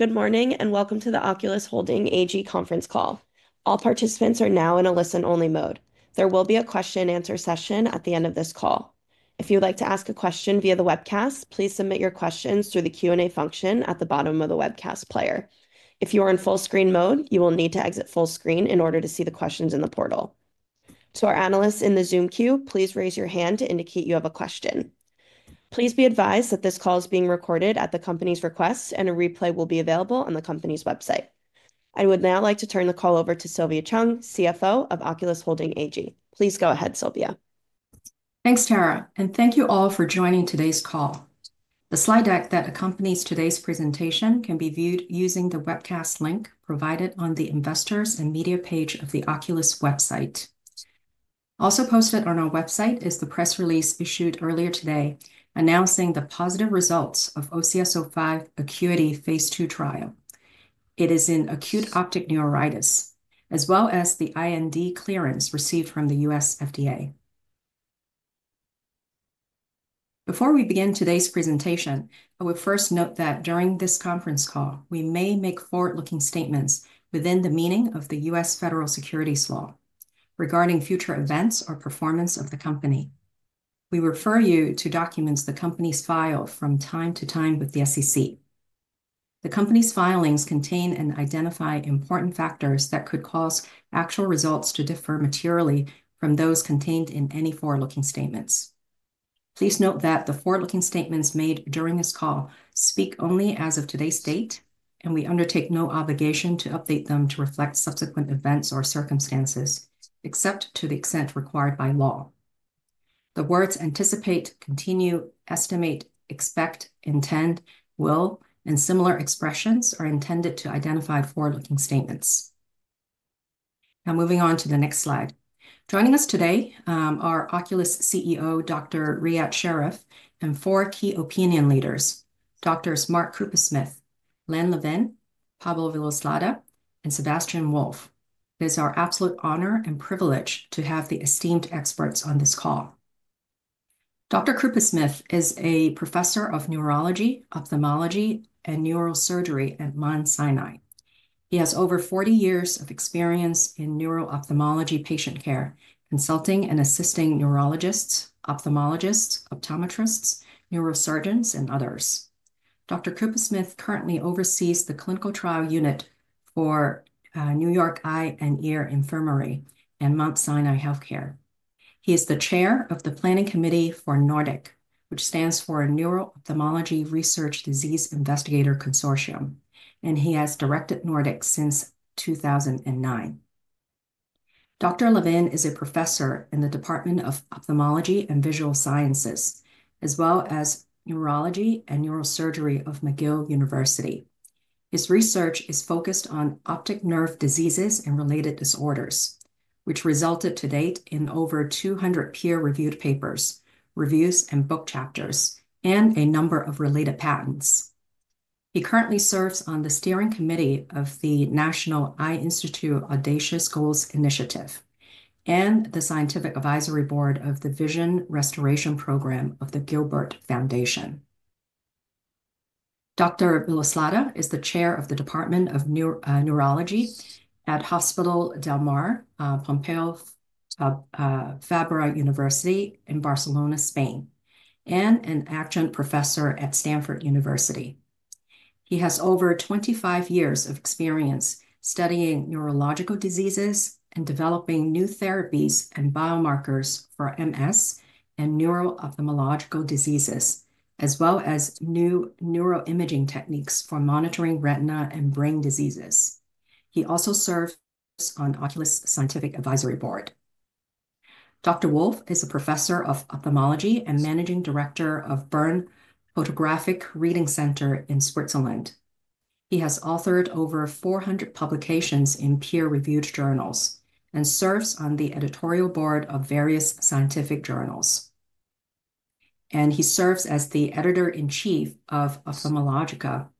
Good morning and welcome to the Oculis Holding AG Conference Call. All participants are now in a listen-only mode. There will be a question-and-answer session at the end of this call. If you would like to ask a question via the webcast, please submit your questions through the Q&A function at the bottom of the webcast player. If you are in full-screen mode, you will need to exit full screen in order to see the questions in the portal. To our analysts in the Zoom queue, please raise your hand to indicate you have a question. Please be advised that this call is being recorded at the company's request, and a replay will be available on the company's website. I would now like to turn the call over to Sylvia Cheung, CFO of Oculis Holding AG. Please go ahead, Sylvia. Thanks, Tara, and thank you all for joining today's call. The slide deck that accompanies today's presentation can be viewed using the webcast link provided on the Investors and Media page of the Oculis website. Also posted on our website is the press release issued earlier today announcing the positive results of OCS-05 ACUITY phase II trial. It is in acute optic neuritis, as well as the IND clearance received from the U.S. FDA. Before we begin today's presentation, I would first note that during this conference call, we may make forward-looking statements within the meaning of the U.S. federal securities law regarding future events or performance of the company. We refer you to the documents that the company has filed from time to time with the SEC. The company's filings contain and identify important factors that could cause actual results to differ materially from those contained in any forward-looking statements. Please note that the forward-looking statements made during this call speak only as of today's date, and we undertake no obligation to update them to reflect subsequent events or circumstances, except to the extent required by law. The words anticipate, continue, estimate, expect, intend, will, and similar expressions are intended to identify forward-looking statements. Now, moving on to the next slide. Joining us today are Oculis CEO Dr. Riad Sherif and four key opinion leaders, Doctors Mark Kupersmith, Len Levin, Pablo Villoslada, and Sebastian Wolf. It is our absolute honor and privilege to have the esteemed experts on this call. Dr. Kupersmith is a professor of neurology, ophthalmology, and neurosurgery at Mount Sinai. He has over 40 years of experience in neuro-ophthalmology patient care, consulting and assisting neurologists, ophthalmologists, optometrists, neurosurgeons, and others. Dr. Kupersmith currently oversees the clinical trial unit for New York Eye and Ear Infirmary and Mount Sinai Health System. He is the chair of the planning committee for NORDIC, which stands for Neuro-Ophthalmology Research Disease Investigator Consortium, and he has directed NORDIC since 2009. Dr. Levin is a professor in the Department of Ophthalmology and Visual Sciences, as well as Neurology and Neurosurgery of McGill University. His research is focused on optic nerve diseases and related disorders, which resulted to date in over 200 peer-reviewed papers, reviews, and book chapters, and a number of related patents. He currently serves on the steering committee of the National Eye Institute Audacious Goals Initiative and the scientific advisory board of the Vision Restoration Program of the Gilbert Family Foundation. Dr. Villoslada is the Chair of the Department of Neurology at Hospital del Mar, Pompeu Fabra University in Barcelona, Spain, and an adjunct professor at Stanford University. He has over 25 years of experience studying neurological diseases and developing new therapies and biomarkers for MS and neuro-ophthalmological diseases, as well as new neuroimaging techniques for monitoring retina and brain diseases. He also serves on Oculis Scientific Advisory Board. Dr. Wolf is a professor of ophthalmology and Managing Director of Bern Photographic Reading Center in Switzerland. He has authored over 400 publications in peer-reviewed journals and serves on the editorial board of various scientific journals. He serves as the Editor-in-Chief of Ophthalmologica.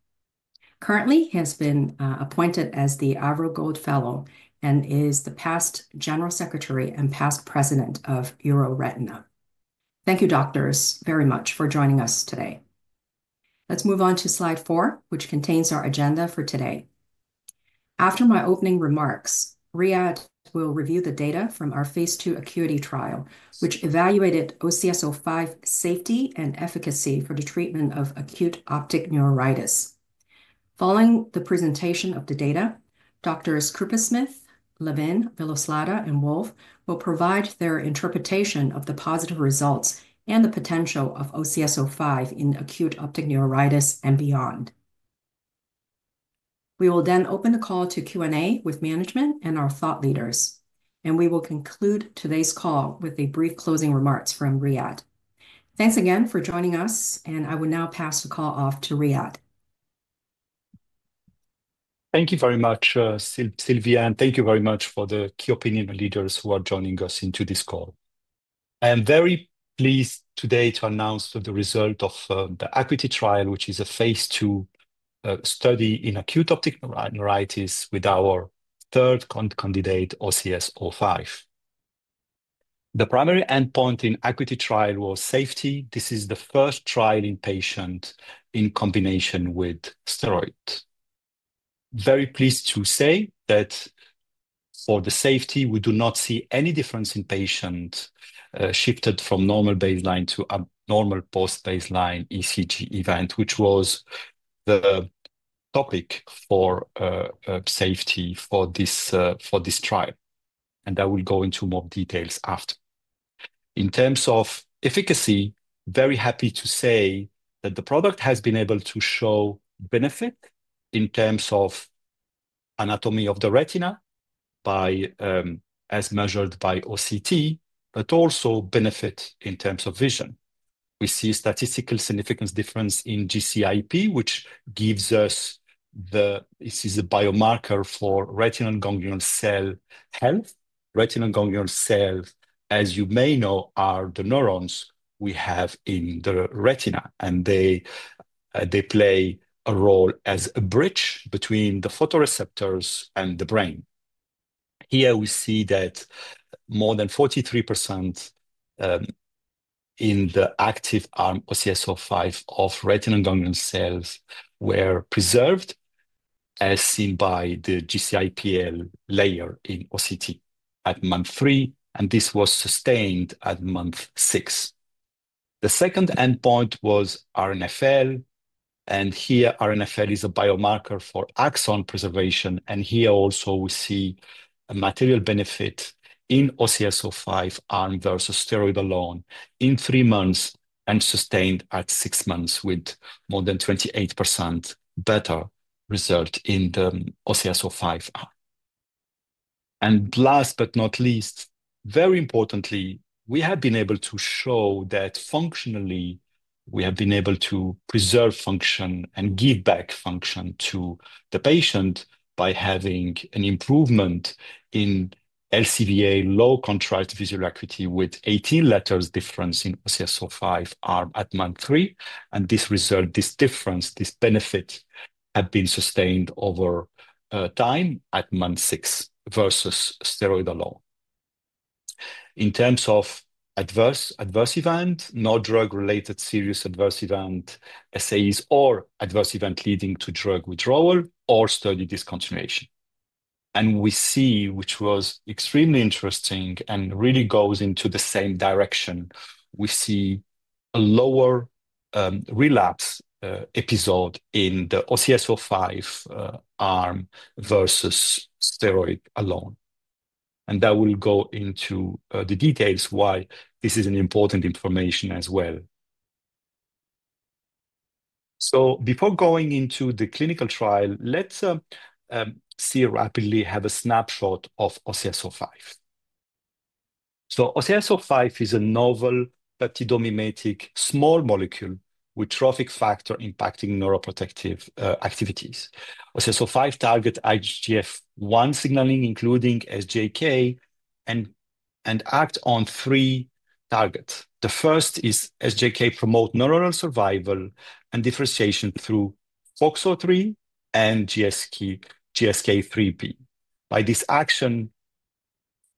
Currently, he has been appointed as the ARVO Gold Fellow and is the past general secretary and past president of EURETINA. Thank you, doctors, very much for joining us today. Let's move on to slide four, which contains our agenda for today. After my opening remarks, Riad will review the data from our phase II ACUITY trial, which evaluated OCS-05 safety and efficacy for the treatment of acute optic neuritis. Following the presentation of the data, Doctors Kupersmith, Levin, Villoslada, and Wolf will provide their interpretation of the positive results and the potential of OCS-05 in acute optic neuritis and beyond. We will then open the call to Q&A with management and our thought leaders, and we will conclude today's call with a brief closing remarks from Riad. Thanks again for joining us, and I will now pass the call off to Riad. Thank you very much, Sylvia, and thank you very much for the key opinion leaders who are joining us into this call. I am very pleased today to announce the result of the EQUATE trial, which is a phase II study in acute optic neuritis with our third candidate, OCS-05. The primary endpoint in the EQUATE trial was safety. This is the first trial in patients in combination with steroids. Very pleased to say that for the safety, we do not see any difference in patients shifted from normal baseline to abnormal post-baseline ECG event, which was the topic for safety for this trial, and I will go into more details after. In terms of efficacy, very happy to say that the product has been able to show benefit in terms of anatomy of the retina as measured by OCT, but also benefit in terms of vision. We see statistical significance difference in GCIPL, which gives us the biomarker for retinal ganglion cell health. Retinal ganglion cells, as you may know, are the neurons we have in the retina, and they play a role as a bridge between the photoreceptors and the brain. Here, we see that more than 43% in the active OCS-05 of retinal ganglion cells were preserved, as seen by the GCIPL layer in OCT at month three, and this was sustained at month six. The second endpoint was RNFL, and here RNFL is a biomarker for axon preservation, and here also we see a material benefit in OCS-05 arm versus steroid alone in three months and sustained at six months with more than 28% better result in the OCS-05 arm. And last but not least, very importantly, we have been able to show that functionally we have been able to preserve function and give back function to the patient by having an improvement in LCVA, low contrast visual ACUITY with 18 letters difference in OCS-05 arm at month three, and this result, this difference, this benefit had been sustained over time at month six versus steroid alone. In terms of adverse event, no drug-related serious adverse event, SAEs, or adverse event leading to drug withdrawal or study discontinuation. And we see, which was extremely interesting and really goes into the same direction, we see a lower relapse episode in the OCS-05 arm versus steroid alone. And that will go into the details why this is important information as well. So before going into the clinical trial, let's see rapidly have a snapshot of OCS-05. OCS-05 is a novel peptidomimetic small molecule with trophic factor impacting neuroprotective activities. OCS-05 targets IGF-1 signaling, including SGK, and acts on three targets. The first is SGK promote neuronal survival and differentiation through FOXO3 and GSK3-beta. By this action,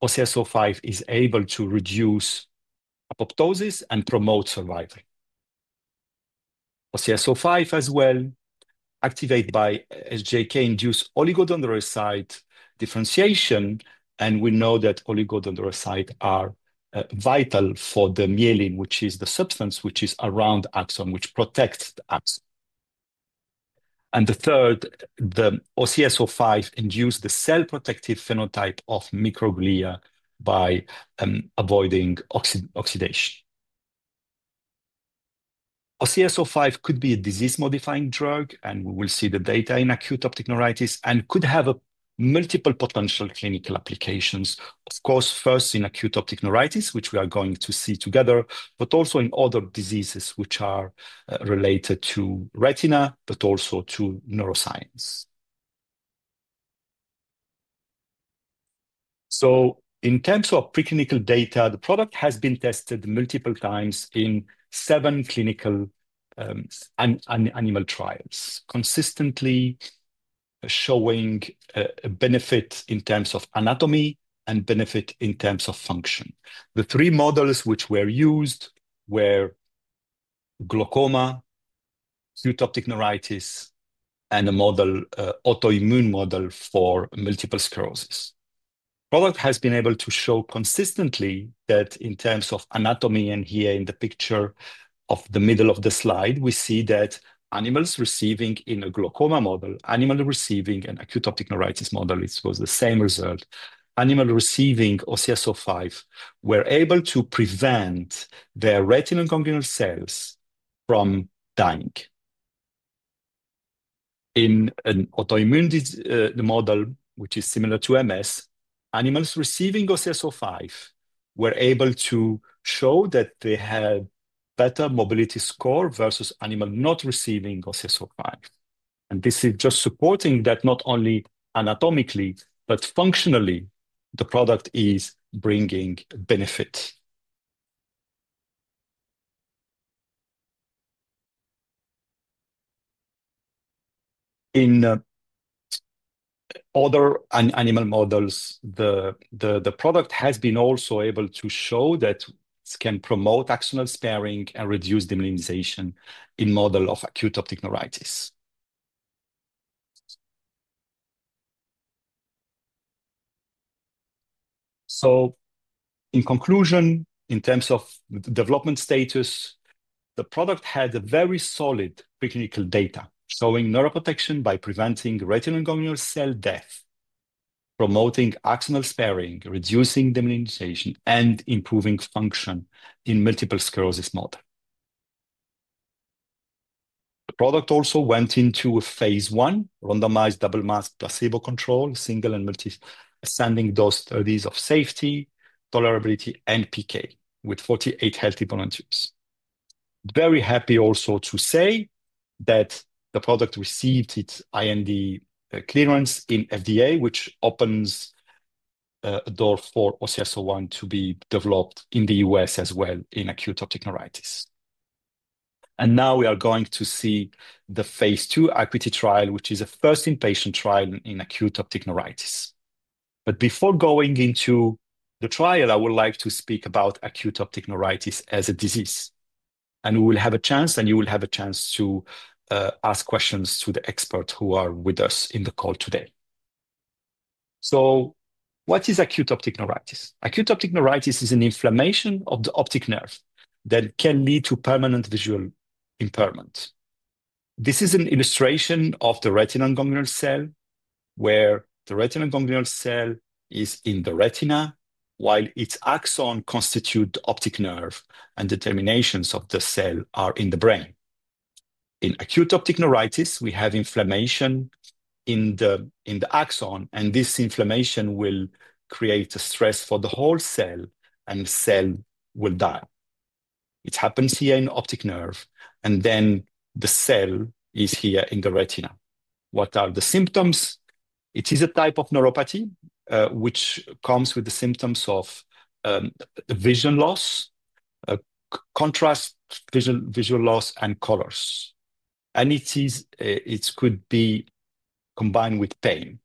OCS-05 is able to reduce apoptosis and promote survival. OCS-05 as well activated by SGK-induced oligodendrocyte differentiation, and we know that oligodendrocyte are vital for the myelin, which is the substance around the axon, which protects the axon. The third, the OCS-05 induces the cell-protective phenotype of microglia by avoiding oxidation. OCS-05 could be a disease-modifying drug, and we will see the data in acute optic neuritis, and could have multiple potential clinical applications. Of course, first in acute optic neuritis, which we are going to see together, but also in other diseases which are related to retina, but also to neuroscience. So in terms of preclinical data, the product has been tested multiple times in seven clinical animal trials, consistently showing benefit in terms of anatomy and benefit in terms of function. The three models which were used were glaucoma, acute optic neuritis, and an autoimmune model for multiple sclerosis. The product has been able to show consistently that in terms of anatomy, and here in the picture in the middle of the slide, we see that animals receiving in a glaucoma model, animal receiving an acute optic neuritis model, it was the same result. Animal receiving OCS-05 were able to prevent their retinal ganglion cells from dying. In an autoimmune model, which is similar to MS, animals receiving OCS-05 were able to show that they had better mobility score versus animal not receiving OCS-05. And this is just supporting that not only anatomically, but functionally, the product is bringing benefit. In other animal models, the product has been also able to show that it can promote axonal sparing and reduce demyelination in the model of acute optic neuritis. In conclusion, in terms of development status, the product had very solid preclinical data showing neuroprotection by preventing retinal ganglion cell death, promoting axonal sparing, reducing demyelination, and improving function in multiple sclerosis model. The product also went into phase I, randomized, double-masked, placebo-controlled, single- and multiple-ascending-dose studies of safety, tolerability, and PK with 48 healthy volunteers. Very happy also to say that the product received its IND clearance from the FDA, which opens a door for OCS-01 to be developed in the U.S. as well in acute optic neuritis. Now we are going to see the phase II efficacy trial, which is a first-in-patient trial in acute optic neuritis. But before going into the trial, I would like to speak about acute optic neuritis as a disease. And we will have a chance, and you will have a chance to ask questions to the experts who are with us in the call today. So what is acute optic neuritis? Acute optic neuritis is an inflammation of the optic nerve that can lead to permanent visual impairment. This is an illustration of the retinal ganglion cell, where the retinal ganglion cell is in the retina while its axon constitutes the optic nerve, and the terminations of the cell are in the brain. In acute optic neuritis, we have inflammation in the axon, and this inflammation will create a stress for the whole cell, and the cell will die. It happens here in the optic nerve, and then the cell is here in the retina. What are the symptoms? It is a type of neuropathy which comes with the symptoms of vision loss, contrast visual loss, and colors, and it could be combined with pain.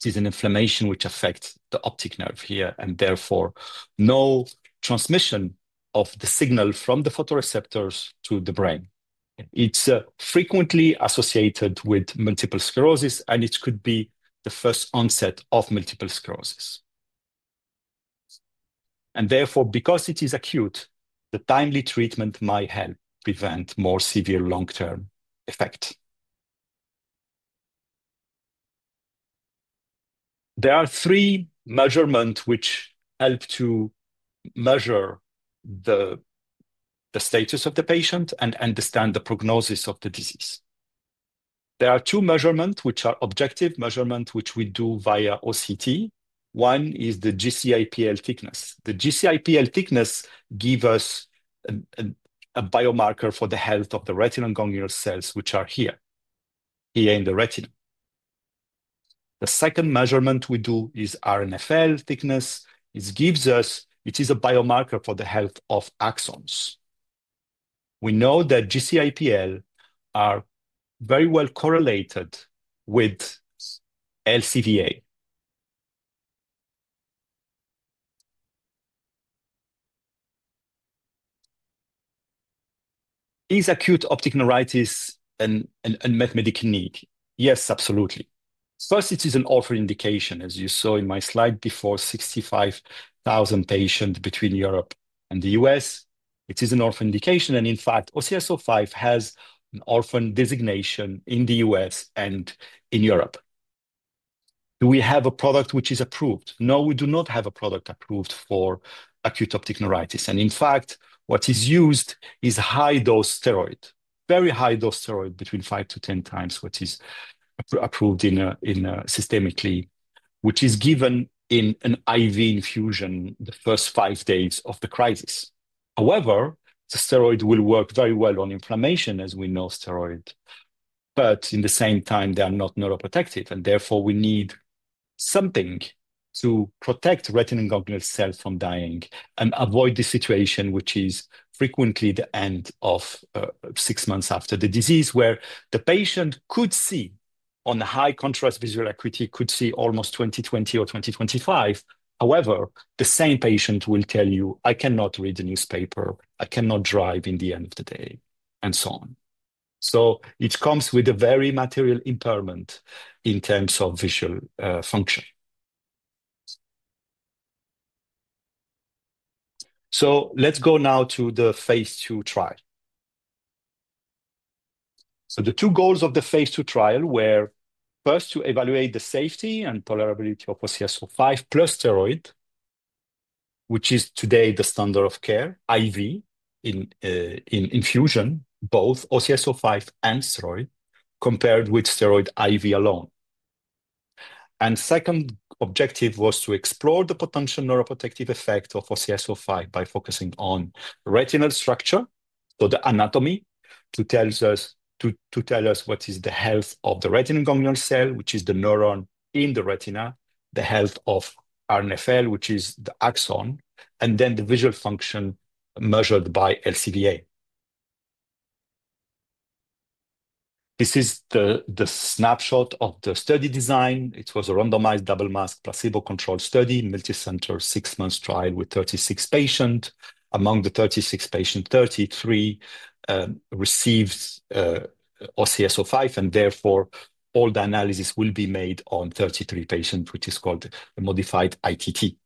It is an inflammation which affects the optic nerve here, and therefore no transmission of the signal from the photoreceptors to the brain. It's frequently associated with multiple sclerosis, and it could be the first onset of multiple sclerosis, and therefore, because it is acute, the timely treatment might help prevent more severe long-term effects. There are three measurements which help to measure the status of the patient and understand the prognosis of the disease. There are two measurements which are objective measurements which we do via OCT. One is the GCIPL thickness. The GCIPL thickness gives us a biomarker for the health of the retinal ganglion cells, which are here, here in the retina. The second measurement we do is RNFL thickness. It gives us, it is a biomarker for the health of axons. We know that GCIPL are very well correlated with LCVA. Is acute optic neuritis a medical need? Yes, absolutely. First, it is an orphan indication, as you saw in my slide before, 65,000 patients between Europe and the U.S.. It is an orphan indication, and in fact, OCS-05 has an orphan designation in the U.S. and in Europe. Do we have a product which is approved? No, we do not have a product approved for acute optic neuritis. And in fact, what is used is high-dose steroid, very high-dose steroid between five to 10 times what is approved systemically, which is given in an IV infusion the first five days of the crisis. However, the steroid will work very well on inflammation, as we know steroids, but at the same time, they are not neuroprotective, and therefore we need something to protect retinal ganglion cells from dying and avoid the situation which is frequently the end of six months after the disease, where the patient could see on a high contrast visual ACUITY, could see almost 20/20 or 20/25. However, the same patient will tell you, "I cannot read the newspaper, I cannot drive in the end of the day," and so on. So it comes with a very material impairment in terms of visual function. So let's go now to the phase II trial. The two goals of the phase II trial were first to evaluate the safety and tolerability of OCS-05 plus steroid, which is today the standard of care, IV infusion, both OCS-05 and steroid compared with steroid IV alone. The second objective was to explore the potential neuroprotective effect of OCS-05 by focusing on retinal structure, so the anatomy, to tell us what is the health of the retinal ganglion cell, which is the neuron in the retina, the health of RNFL, which is the axon, and then the visual function measured by LCVA. This is the snapshot of the study design. It was a randomized double-mask placebo-controlled study, multicenter six-month trial with 36 patients. Among the 36 patients, 33 received OCS-05, and therefore all the analysis will be made on 33 patients, which is called a modified ITT.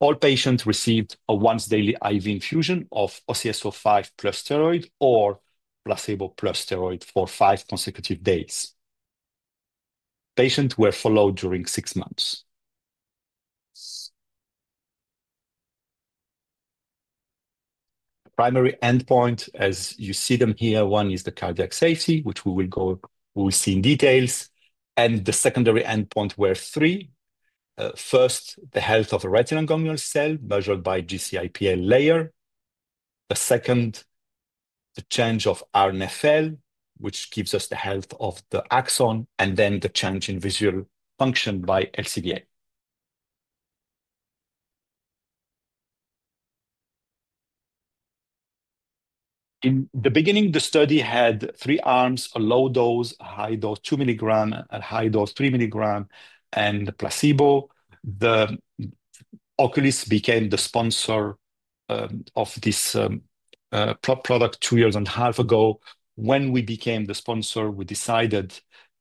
All patients received a once-daily IV infusion of OCS-05 plus steroid or placebo plus steroid for five consecutive days. Patients were followed during six months. Primary endpoint, as you see them here, one is the cardiac safety, which we will see in details, and the secondary endpoint were three. First, the health of the retinal ganglion cell measured by GCIPL layer. The second, the change of RNFL, which gives us the health of the axon, and then the change in visual function by LCVA. In the beginning, the study had three arms: a low dose, a high dose two milligram, a high dose three milligram, and placebo. Oculis became the sponsor of this product two years and a half ago. When we became the sponsor, we decided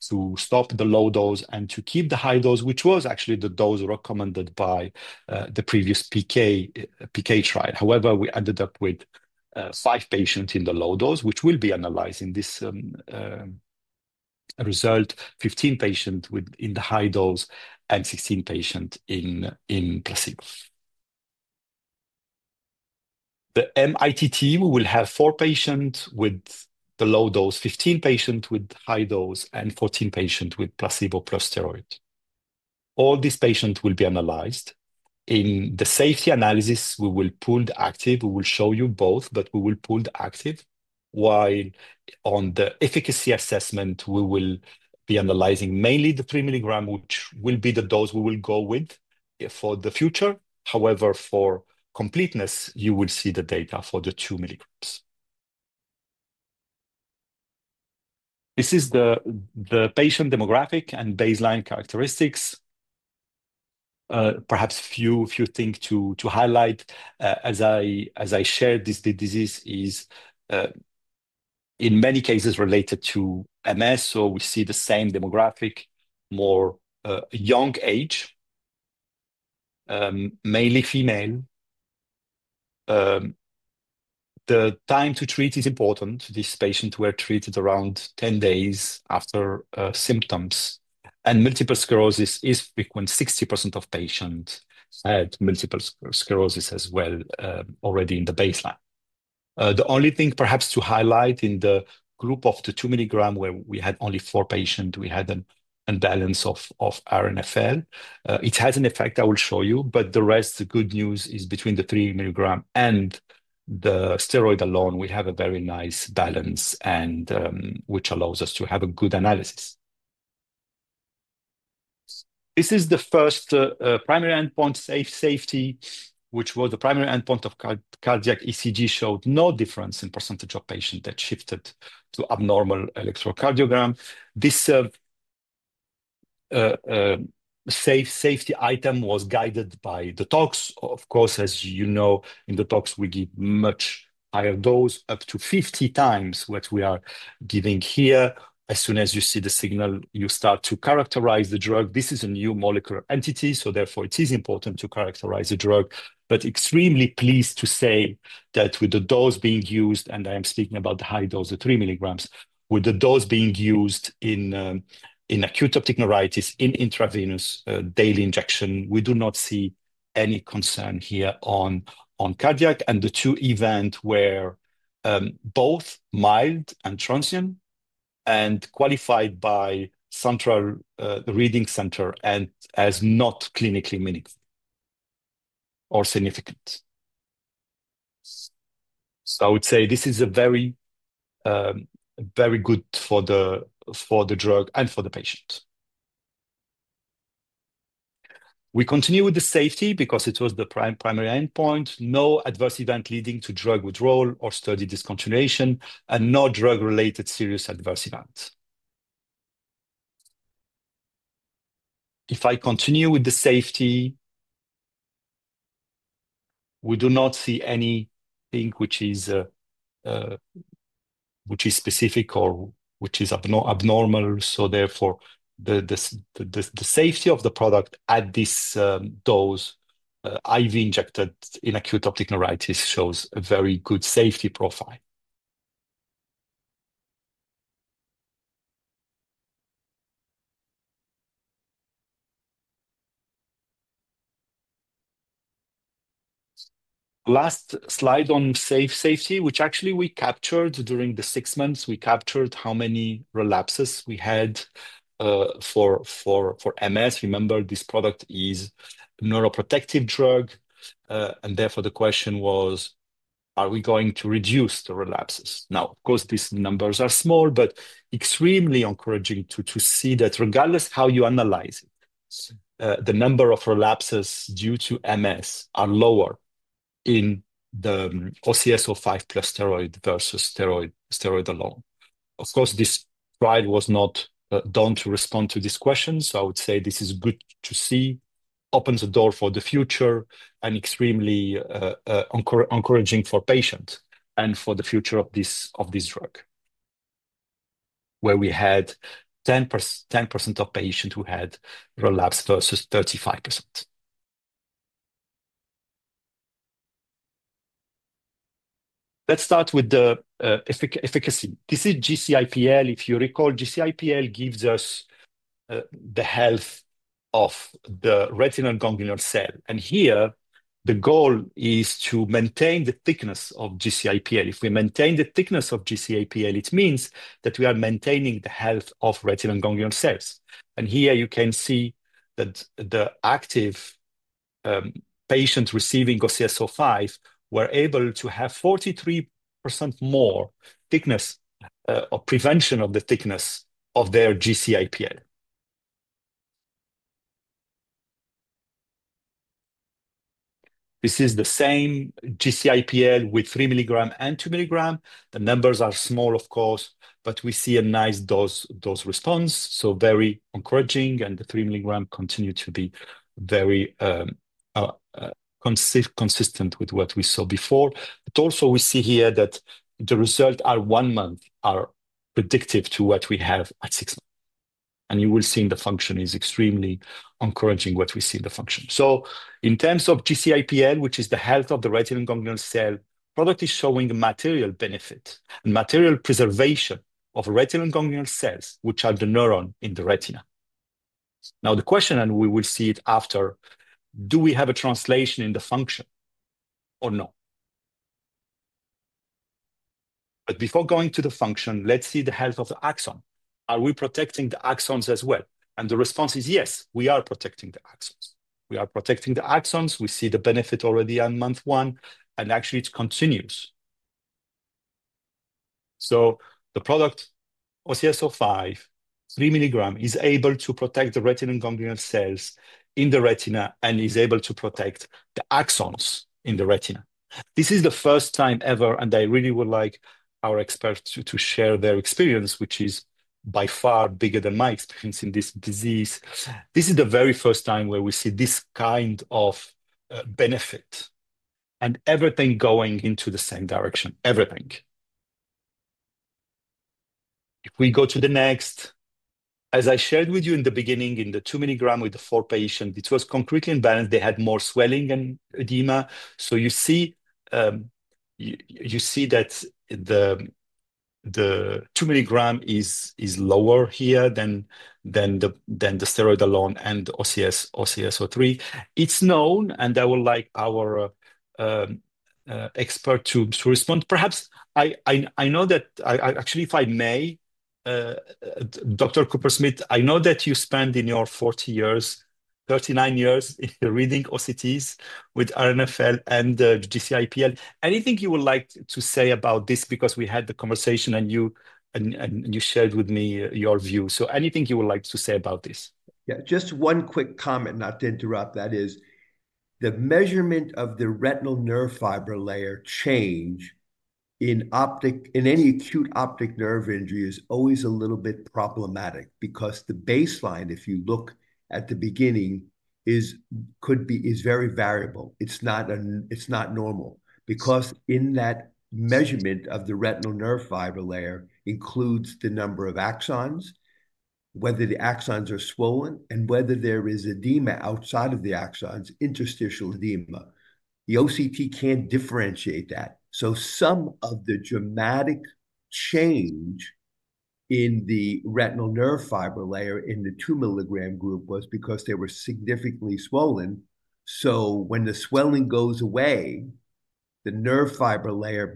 to stop the low dose and to keep the high dose, which was actually the dose recommended by the previous PK trial. However, we ended up with five patients in the low dose, which will be analyzed in this result: 15 patients in the high dose and 16 patients in placebo. The MITT will have four patients with the low dose, 15 patients with high dose, and 14 patients with placebo plus steroid. All these patients will be analyzed. In the safety analysis, we will pool the active. We will show you both, but we will pool the active. While on the efficacy assessment, we will be analyzing mainly the three milligram, which will be the dose we will go with for the future. However, for completeness, you will see the data for the two milligrams. This is the patient demographic and baseline characteristics. Perhaps a few things to highlight. As I shared, this disease is in many cases related to MS, so we see the same demographic, more young age, mainly female. The time to treat is important. These patients were treated around 10 days after symptoms, and multiple sclerosis is frequent. 60% of patients had multiple sclerosis as well already in the baseline. The only thing perhaps to highlight in the group of the two milligram, where we had only four patients, we had an imbalance of RNFL. It has an effect I will show you, but the rest, the good news is between the three milligram and the steroid alone, we have a very nice balance, which allows us to have a good analysis. This is the first primary endpoint, safety, which was the primary endpoint. Cardiac ECG showed no difference in percentage of patients that shifted to abnormal electrocardiogram. This safety item was guided by the tox. Of course, as you know, in the tox, we give much higher dose, up to 50 times what we are giving here. As soon as you see the signal, you start to characterize the drug. This is a new molecular entity, so therefore it is important to characterize the drug. But extremely pleased to say that with the dose being used, and I am speaking about the high dose, the three milligrams, with the dose being used in acute optic neuritis in intravenous daily injection, we do not see any concern here on cardiac. And the two events were both mild and transient and qualified by central reading center and as not clinically meaningful or significant. So I would say this is very good for the drug and for the patient. We continue with the safety because it was the primary endpoint. No adverse event leading to drug withdrawal or study discontinuation and no drug-related serious adverse events. If I continue with the safety, we do not see anything which is specific or which is abnormal. So therefore, the safety of the product at this dose, IV injected in acute optic neuritis, shows a very good safety profile. Last slide on safety, which actually we captured during the six months, how many relapses we had for MS. Remember, this product is a neuroprotective drug, and therefore the question was, are we going to reduce the relapses? Now, of course, these numbers are small, but extremely encouraging to see that regardless of how you analyze it, the number of relapses due to MS are lower in the OCS-05 plus steroid versus steroid alone. Of course, this trial was not done to respond to this question, so I would say this is good to see, opens the door for the future and extremely encouraging for patients and for the future of this drug, where we had 10% of patients who had relapse versus 35%. Let's start with the efficacy. This is GCIPL. If you recall, GCIPL gives us the health of the retinal ganglion cell. And here, the goal is to maintain the thickness of GCIPL. If we maintain the thickness of GCIPL, it means that we are maintaining the health of retinal ganglion cells, and here, you can see that the active patients receiving OCS-05 were able to have 43% more thickness or prevention of the thickness of their GCIPL. This is the same GCIPL with three milligram and two milligram. The numbers are small, of course, but we see a nice dose response, so very encouraging, and the three milligram continues to be very consistent with what we saw before. But also, we see here that the result at one month is predictive to what we have at six months. And you will see the function is extremely encouraging what we see in the function. So in terms of GCIPL, which is the health of the retinal ganglion cell, the product is showing material benefit and material preservation of retinal ganglion cells, which are the neurons in the retina. Now, the question, and we will see it after, do we have a translation in the function or no? But before going to the function, let's see the health of the axon. Are we protecting the axons as well? And the response is yes, we are protecting the axons. We are protecting the axons. We see the benefit already on month one, and actually, it continues, so the product OCS-05, three milligram, is able to protect the retinal ganglion cells in the retina and is able to protect the axons in the retina. This is the first time ever, and I really would like our experts to share their experience, which is by far bigger than my experience in this disease. This is the very first time where we see this kind of benefit and everything going into the same direction, everything. If we go to the next, as I shared with you in the beginning, in the two milligram with the four patients, it was completely imbalanced. They had more swelling and edema, so you see that the two milligram is lower here than the steroid alone and OCS-01. It's known, and I would like our expert to respond. Perhaps I know that actually, if I may, Dr. Kupersmith, I know that you spent in your 40 years, 39 years in reading OCTs with RNFL and GCIPL. Anything you would like to say about this? Because we had the conversation and you shared with me your view. So anything you would like to say about this? Yeah, just one quick comment, not to interrupt. That is the measurement of the retinal nerve fiber layer change in any acute optic nerve injury is always a little bit problematic because the baseline, if you look at the beginning, could be very variable. It's not normal because in that measurement of the retinal nerve fiber layer includes the number of axons, whether the axons are swollen, and whether there is edema outside of the axons, interstitial edema. The OCT can't differentiate that. So some of the dramatic change in the retinal nerve fiber layer in the two milligram group was because they were significantly swollen. So when the swelling goes away, the nerve fiber layer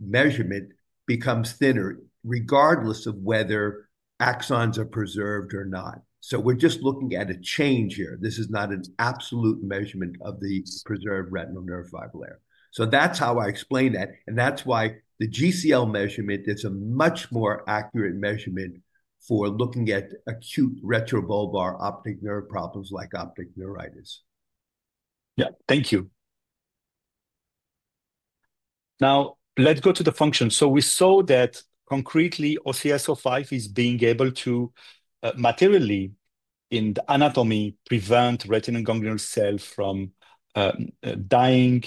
measurement becomes thinner regardless of whether axons are preserved or not. So we're just looking at a change here. This is not an absolute measurement of the preserved retinal nerve fiber layer. So that's how I explain that. And that's why the GCL measurement is a much more accurate measurement for looking at acute retrobulbar optic nerve problems like optic neuritis. Yeah, thank you. Now, let's go to the function. So we saw that concretely, OCS-05 is being able to materially in the anatomy prevent retinal ganglion cells from dying,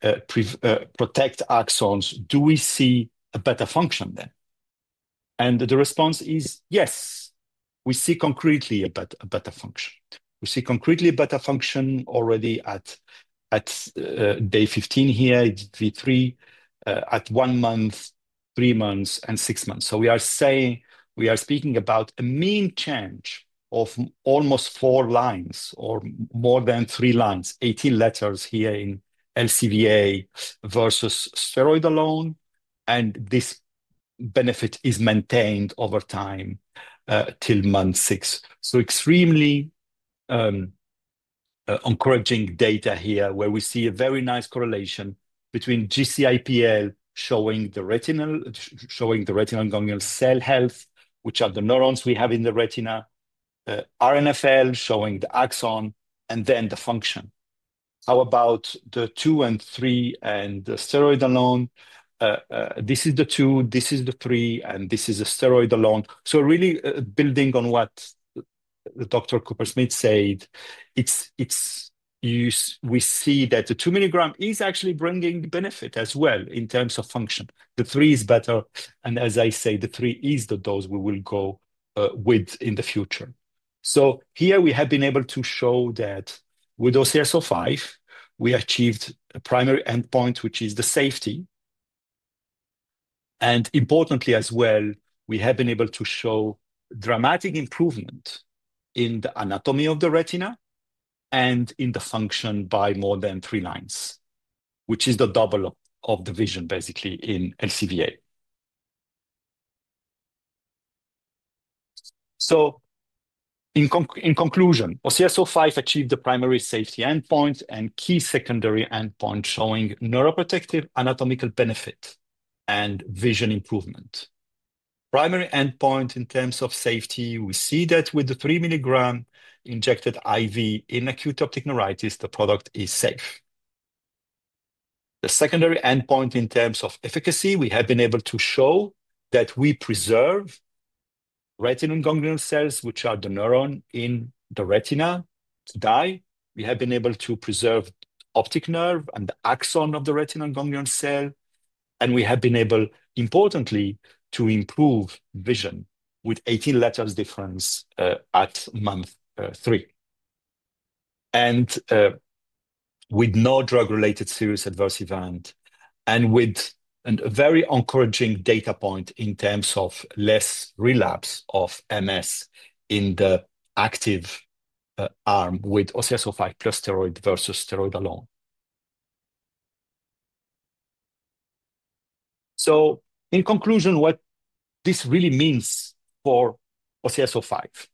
protect axons. Do we see a better function then? And the response is yes. We see concretely a better function. We see concretely a better function already at day 15 here. It's V3 at one month, three months, and six months. So we are saying we are speaking about a mean change of almost four lines or more than three lines, 18 letters here in LCVA versus steroid alone. And this benefit is maintained over time till month six. So extremely encouraging data here where we see a very nice correlation between GCIPL showing the retinal ganglion cell health, which are the neurons we have in the retina, RNFL showing the axon, and then the function. How about the two and three and the steroid alone? This is the two, this is the three, and this is a steroid alone. So really building on what Dr. Kupersmith said, we see that the two milligram is actually bringing benefit as well in terms of function. The three is better. As I say, the three is the dose we will go with in the future. So here we have been able to show that with OCS-05, we achieved a primary endpoint, which is the safety. And importantly as well, we have been able to show dramatic improvement in the anatomy of the retina and in the function by more than three lines, which is the double of the vision basically in LCVA. So in conclusion, OCS-05 achieved the primary safety endpoint and key secondary endpoint showing neuroprotective anatomical benefit and vision improvement. Primary endpoint in terms of safety, we see that with the three milligram injected IV in acute optic neuritis, the product is safe. The secondary endpoint in terms of efficacy, we have been able to show that we preserve retinal ganglion cells, which are the neuron in the retina, to die. We have been able to preserve the optic nerve and the axon of the retinal ganglion cell. And we have been able, importantly, to improve vision with 18 letters difference at month three. And with no drug-related serious adverse event and with a very encouraging data point in terms of less relapse of MS in the active arm with OCS-05 plus steroid versus steroid alone. So in conclusion, what this really means for OCS-05?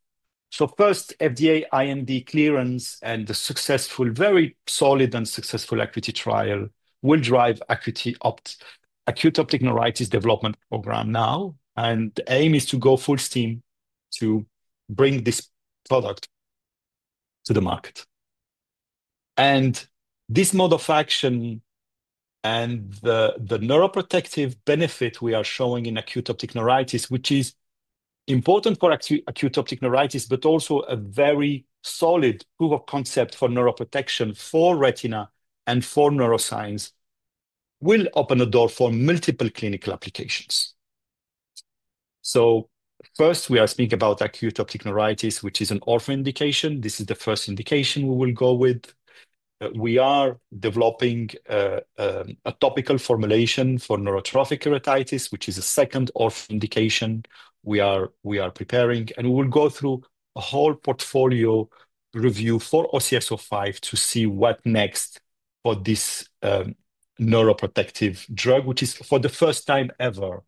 So first, FDA IND clearance and the successful, very solid and successful ACUITY trial will drive acute optic neuritis development program now. And the aim is to go full steam to bring this product to the market. And this mode of action and the neuroprotective benefit we are showing in acute optic neuritis, which is important for acute optic neuritis, but also a very solid proof of concept for neuroprotection for retina and for neuroscience, will open a door for multiple clinical applications. So first, we are speaking about acute optic neuritis, which is an orphan indication. This is the first indication we will go with. We are developing a topical formulation for neurotrophic keratitis, which is a second orphan indication we are preparing. And we will go through a whole portfolio review for OCS-05 to see what next for this neuroprotective drug, which is for the first time ever.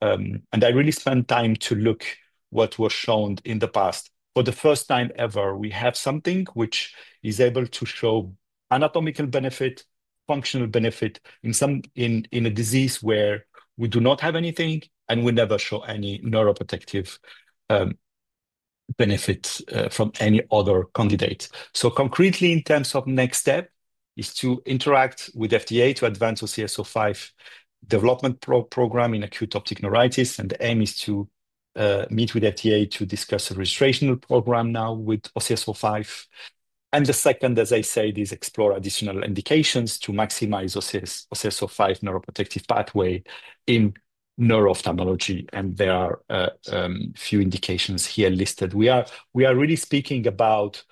And I really spent time to look at what was shown in the past. For the first time ever, we have something which is able to show anatomical benefit, functional benefit in a disease where we do not have anything and we never show any neuroprotective benefit from any other candidate. So concretely, in terms of next step, is to interact with FDA to advance OCS-05 development program in acute optic neuritis. And the aim is to meet with FDA to discuss a registration program now with OCS-05. And the second, as I said, is explore additional indications to maximize OCS-05 neuroprotective pathway in neuro-ophthalmology. And there are a few indications here listed. We are really speaking about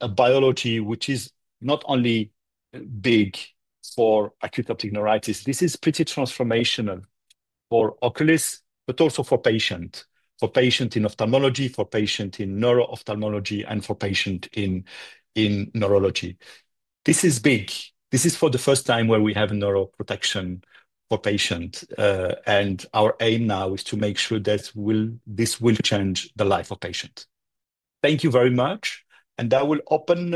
a biology which is not only big for acute optic neuritis. This is pretty transformational for Oculis, but also for patient, for patient in ophthalmology, for patient in neuro-ophthalmology, and for patient in neurology. This is big. This is for the first time where we have neuroprotection for patients. Our aim now is to make sure that this will change the life of patients. Thank you very much. That will open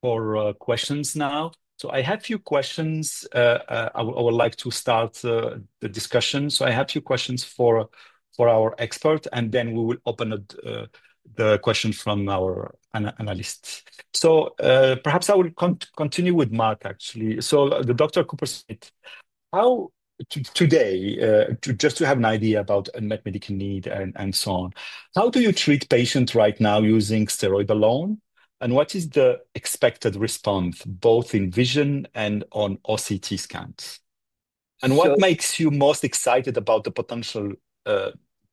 for questions now. I have a few questions. I would like to start the discussion. I have a few questions for our expert, and then we will open the questions from our analysts. Perhaps I will continue with Mark, actually. Dr. Kupersmith, how today, just to have an idea about a medical need and so on, how do you treat patients right now using steroid alone? What is the expected response both in vision and on OCT scans? What makes you most excited about the potential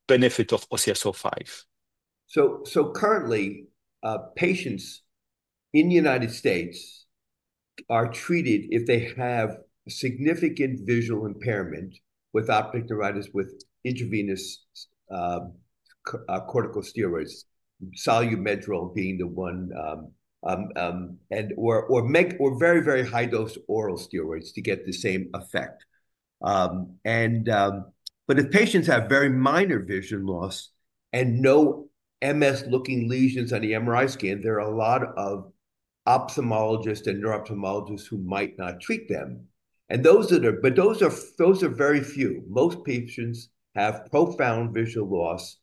benefit of OCS-05? So currently, patients in the United States are treated if they have significant visual impairment with optic neuritis with intravenous corticosteroids, Solu-Medrol being the one, and/or very, very high-dose oral steroids to get the same effect. But if patients have very minor vision loss and no MS-looking lesions on the MRI scan, there are a lot of ophthalmologists and neuro-ophthalmologists who might not treat them, and those are very few. Most patients have profound visual loss,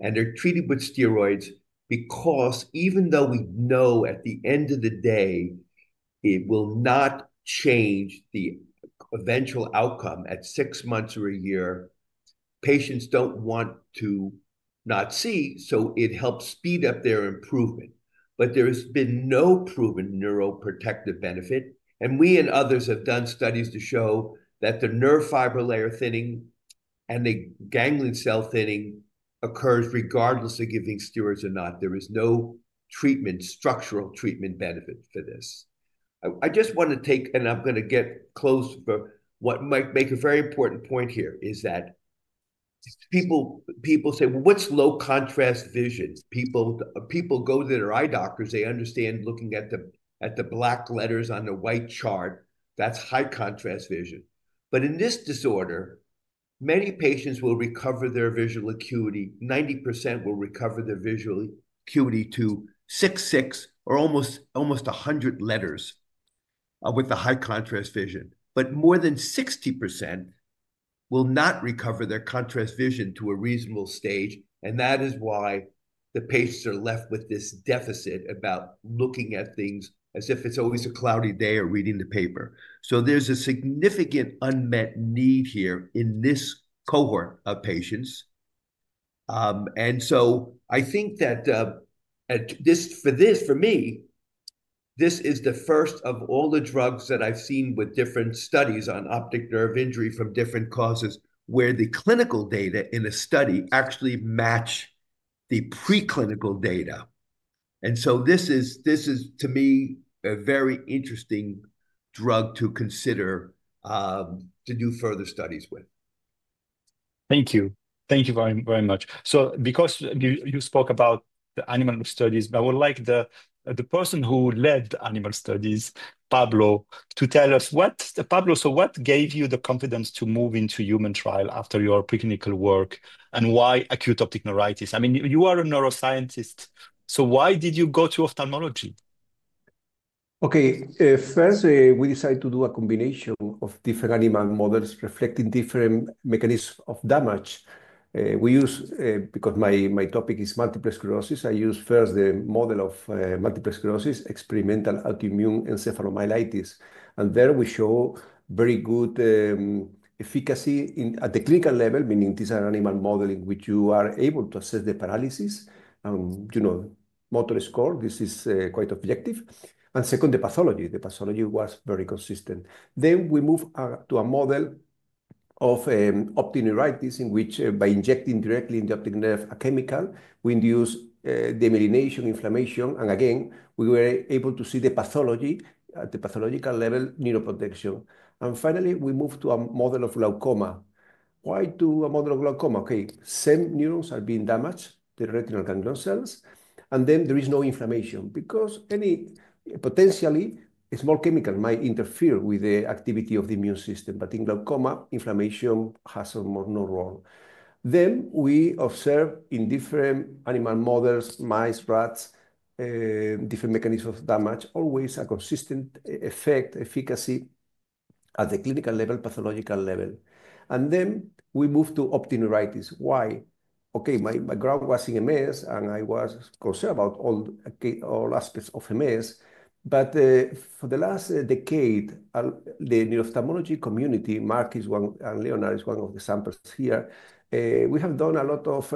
and they're treated with steroids because even though we know at the end of the day, it will not change the eventual outcome at six months or a year, patients don't want to not see, so it helps speed up their improvement, but there has been no proven neuroprotective benefit. We and others have done studies to show that the nerve fiber layer thinning and the ganglion cell thinning occurs regardless of giving steroids or not. There is no structural treatment benefit for this. I just want to take, and I'm going to get close for what might make a very important point here is that people say, "Well, what's low contrast vision?" People go to their eye doctors. They understand looking at the black letters on the white chart. That's high contrast vision. But in this disorder, many patients will recover their visual ACUITY. 90% will recover their visual ACUITY to 6/6, or almost 100 letters with the high contrast vision. But more than 60% will not recover their contrast vision to a reasonable stage. That is why the patients are left with this deficit about looking at things as if it's always a cloudy day or reading the paper. There's a significant unmet need here in this cohort of patients. I think that for me, this is the first of all the drugs that I've seen with different studies on optic nerve injury from different causes where the clinical data in a study actually match the preclinical data. This is, to me, a very interesting drug to consider to do further studies with. Thank you. Thank you very much. Because you spoke about the animal studies, I would like the person who led the animal studies, Pablo, to tell us, Pablo, what gave you the confidence to move into human trial after your preclinical work and why acute optic neuritis? I mean, you are a neuroscientist. So why did you go to ophthalmology? Okay. First, we decided to do a combination of different animal models reflecting different mechanisms of damage. We use, because my topic is multiple sclerosis, I use first the model of multiple sclerosis, experimental autoimmune encephalomyelitis. And there we show very good efficacy at the clinical level, meaning these are animal models in which you are able to assess the paralysis and motor score. This is quite objective, and second, the pathology was very consistent, then we move to a model of optic neuritis in which, by injecting directly in the optic nerve a chemical, we induce demyelination, inflammation, and again, we were able to see the pathology at the pathological level, neuroprotection, and finally, we move to a model of glaucoma. Why do a model of glaucoma? Okay. Same neurons are being damaged, the retinal ganglion cells. And then there is no inflammation because potentially a small chemical might interfere with the activity of the immune system. But in glaucoma, inflammation has a minor role. Then we observe in different animal models, mice, rats, different mechanisms of damage, always a consistent effect, efficacy at the clinical level, pathological level. And then we move to optic neuritis. Why? Okay. My grant was in MS, and I was concerned about all aspects of MS. But for the last decade, the neuro-ophthalmology community, Mark and Leonard is one of the samples here, we have done a lot of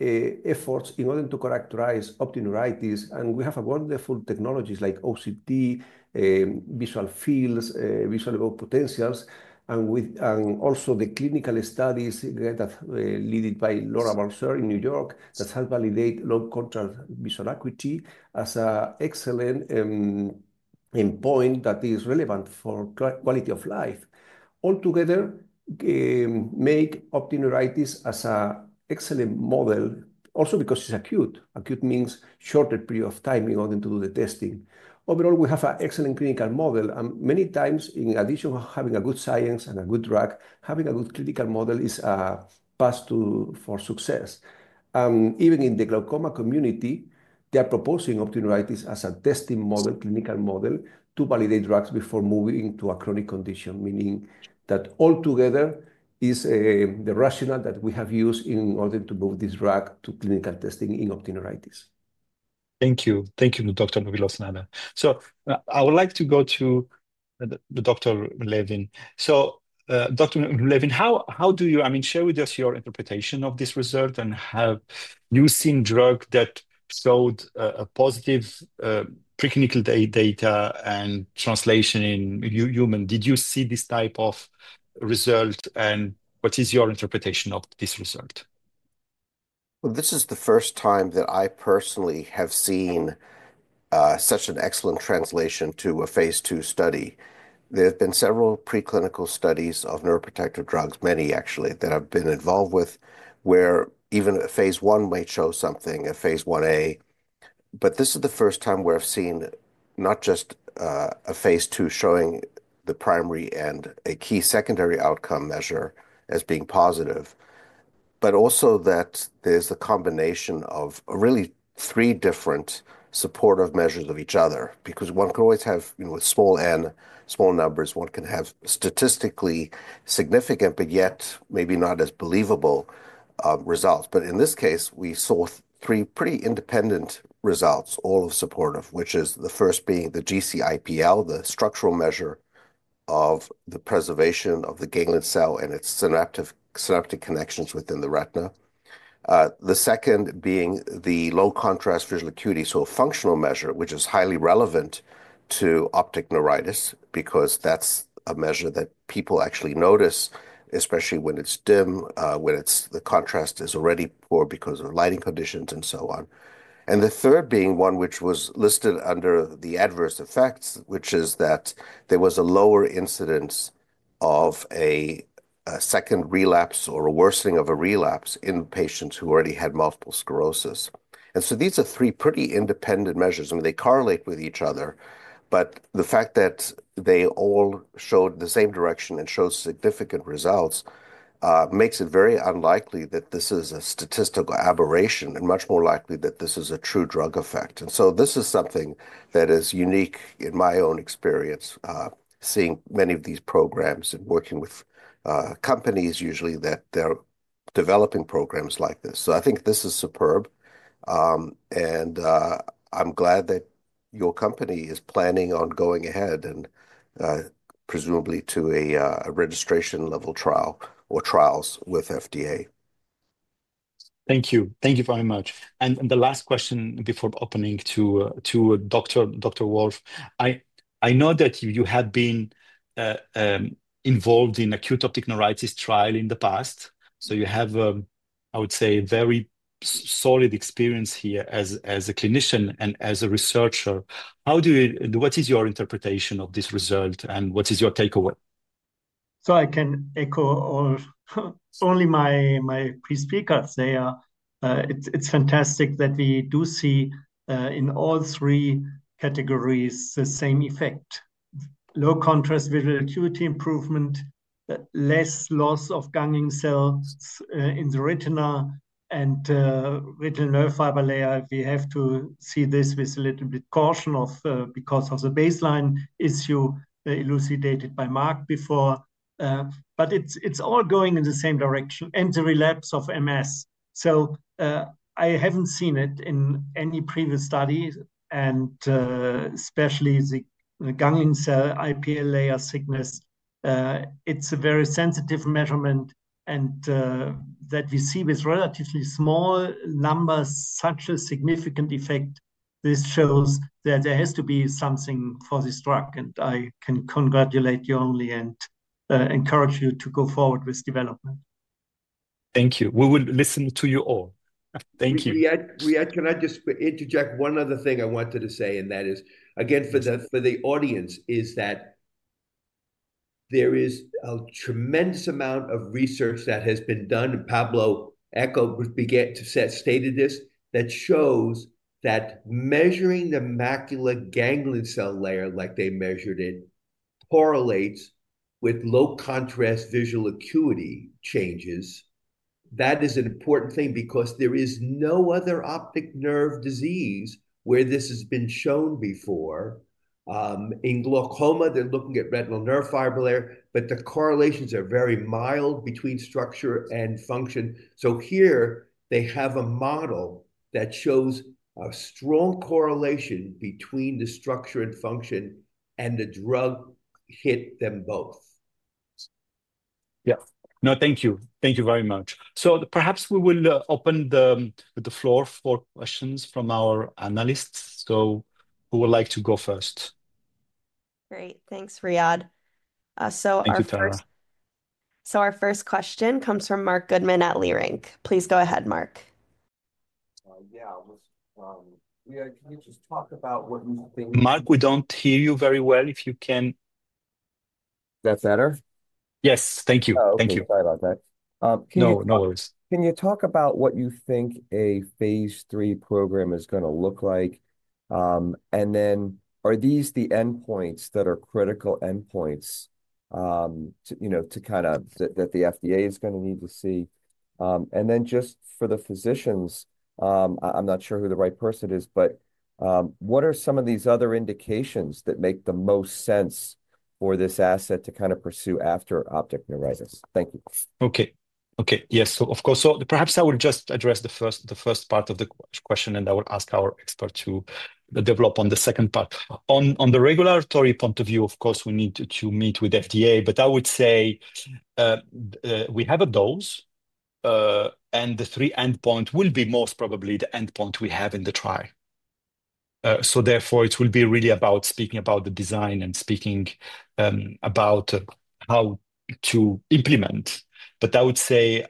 efforts in order to characterize optic neuritis. We have wonderful technologies like OCT, visual fields, visual evoked potentials, and also the clinical studies that are led by Laura Balcer in New York that help validate low contrast visual ACUITY as an excellent point that is relevant for quality of life. Altogether, [they] make optic neuritis as an excellent model, also because it's acute. Acute means shorter period of time in order to do the testing. Overall, we have an excellent clinical model. And many times, in addition to having a good science and a good drug, having a good clinical model is a path to success. Even in the glaucoma community, they are proposing optic neuritis as a testing model, clinical model to validate drugs before moving to a chronic condition, meaning that altogether is the rationale that we have used in order to move this drug to clinical testing in optic neuritis. Thank you. Thank you, Dr. Villoslada. So I would like to go to Dr. Levin. So Dr. Levin, how do you, I mean, share with us your interpretation of this result and have you seen drug that showed a positive preclinical data and translation in human? Did you see this type of result? And what is your interpretation of this result? Well, this is the first time that I personally have seen such an excellent translation to a phase II study. There have been several preclinical studies of neuroprotective drugs, many actually, that I've been involved with, where even a phase I might show something, a phase IA. This is the first time where I've seen not just a phase II showing the primary and a key secondary outcome measure as being positive, but also that there's a combination of really three different supportive measures of each other because one can always have small n, small numbers. One can have statistically significant, but yet maybe not as believable results. But in this case, we saw three pretty independent results, all of supportive, which is the first being the GCIPL, the structural measure of the preservation of the ganglion cell and its synaptic connections within the retina. The second being the low contrast visual ACUITY, so a functional measure, which is highly relevant to optic neuritis because that's a measure that people actually notice, especially when it's dim, when the contrast is already poor because of lighting conditions and so on. And the third being one which was listed under the adverse effects, which is that there was a lower incidence of a second relapse or a worsening of a relapse in patients who already had multiple sclerosis. And so these are three pretty independent measures. I mean, they correlate with each other, but the fact that they all showed the same direction and showed significant results makes it very unlikely that this is a statistical aberration and much more likely that this is a true drug effect. And so this is something that is unique in my own experience, seeing many of these programs and working with companies usually that they're developing programs like this. So I think this is superb. And I'm glad that your company is planning on going ahead and presumably to a registration level trial or trials with FDA. Thank you. Thank you very much. The last question before opening to Dr. Wolf, I know that you have been involved in acute optic neuritis trial in the past. So you have, I would say, a very solid experience here as a clinician and as a researcher. What is your interpretation of this result and what is your takeaway? So I can only echo my previous speaker. It's fantastic that we do see in all three categories the same effect. Low contrast visual ACUITY improvement, less loss of ganglion cells in the retina and retinal nerve fiber layer. We have to see this with a little bit of caution because of the baseline issue elucidated by Mark before. But it's all going in the same direction, onset to relapse of MS. So I haven't seen it in any previous study, and especially the ganglion cell IPL layer thickness. It's a very sensitive measurement. And that we see with relatively small numbers such a significant effect. This shows that there has to be something for this drug. And I can congratulate you only and encourage you to go forward with development. Thank you. We will listen to you all. Thank you. We cannot just interject one other thing I wanted to say, and that is, again, for the audience, is that there is a tremendous amount of research that has been done. And Pablo Villoslada stated this that shows that measuring the macular ganglion cell layer like they measured it correlates with low contrast visual ACUITY changes. That is an important thing because there is no other optic nerve disease where this has been shown before. In glaucoma, they are looking at retinal nerve fiber layer, but the correlations are very mild between structure and function. So here, they have a model that shows a strong correlation between the structure and function, and the drug hit them both. Yeah. No, thank you. Thank you very much. So perhaps we will open the floor for questions from our analysts. So who would like to go first? Great. Thanks, Riad. So our first question comes from Marc Goodman at Leerink. Please go ahead, Marc. Yeah. Can you just talk about what you think? Marc, we don't hear you very well. If you can— Is that better? Yes. Thank you. Thank you. Sorry about that. No worries. Can you talk about what you think a phase III program is going to look like? And then are these the endpoints that are critical endpoints to kind of— that the FDA is going to need to see? And then just for the physicians, I'm not sure who the right person is, but what are some of these other indications that make the most sense for this asset to kind of pursue after optic neuritis? Thank you. Okay. Okay. Yes. So of course, so perhaps I will just address the first part of the question, and I will ask our expert to develop on the second part. On the regulatory point of view, of course, we need to meet with FDA, but I would say we have a dose, and the three endpoints will be most probably the endpoint we have in the trial. So therefore, it will be really about speaking about the design and speaking about how to implement. But I would say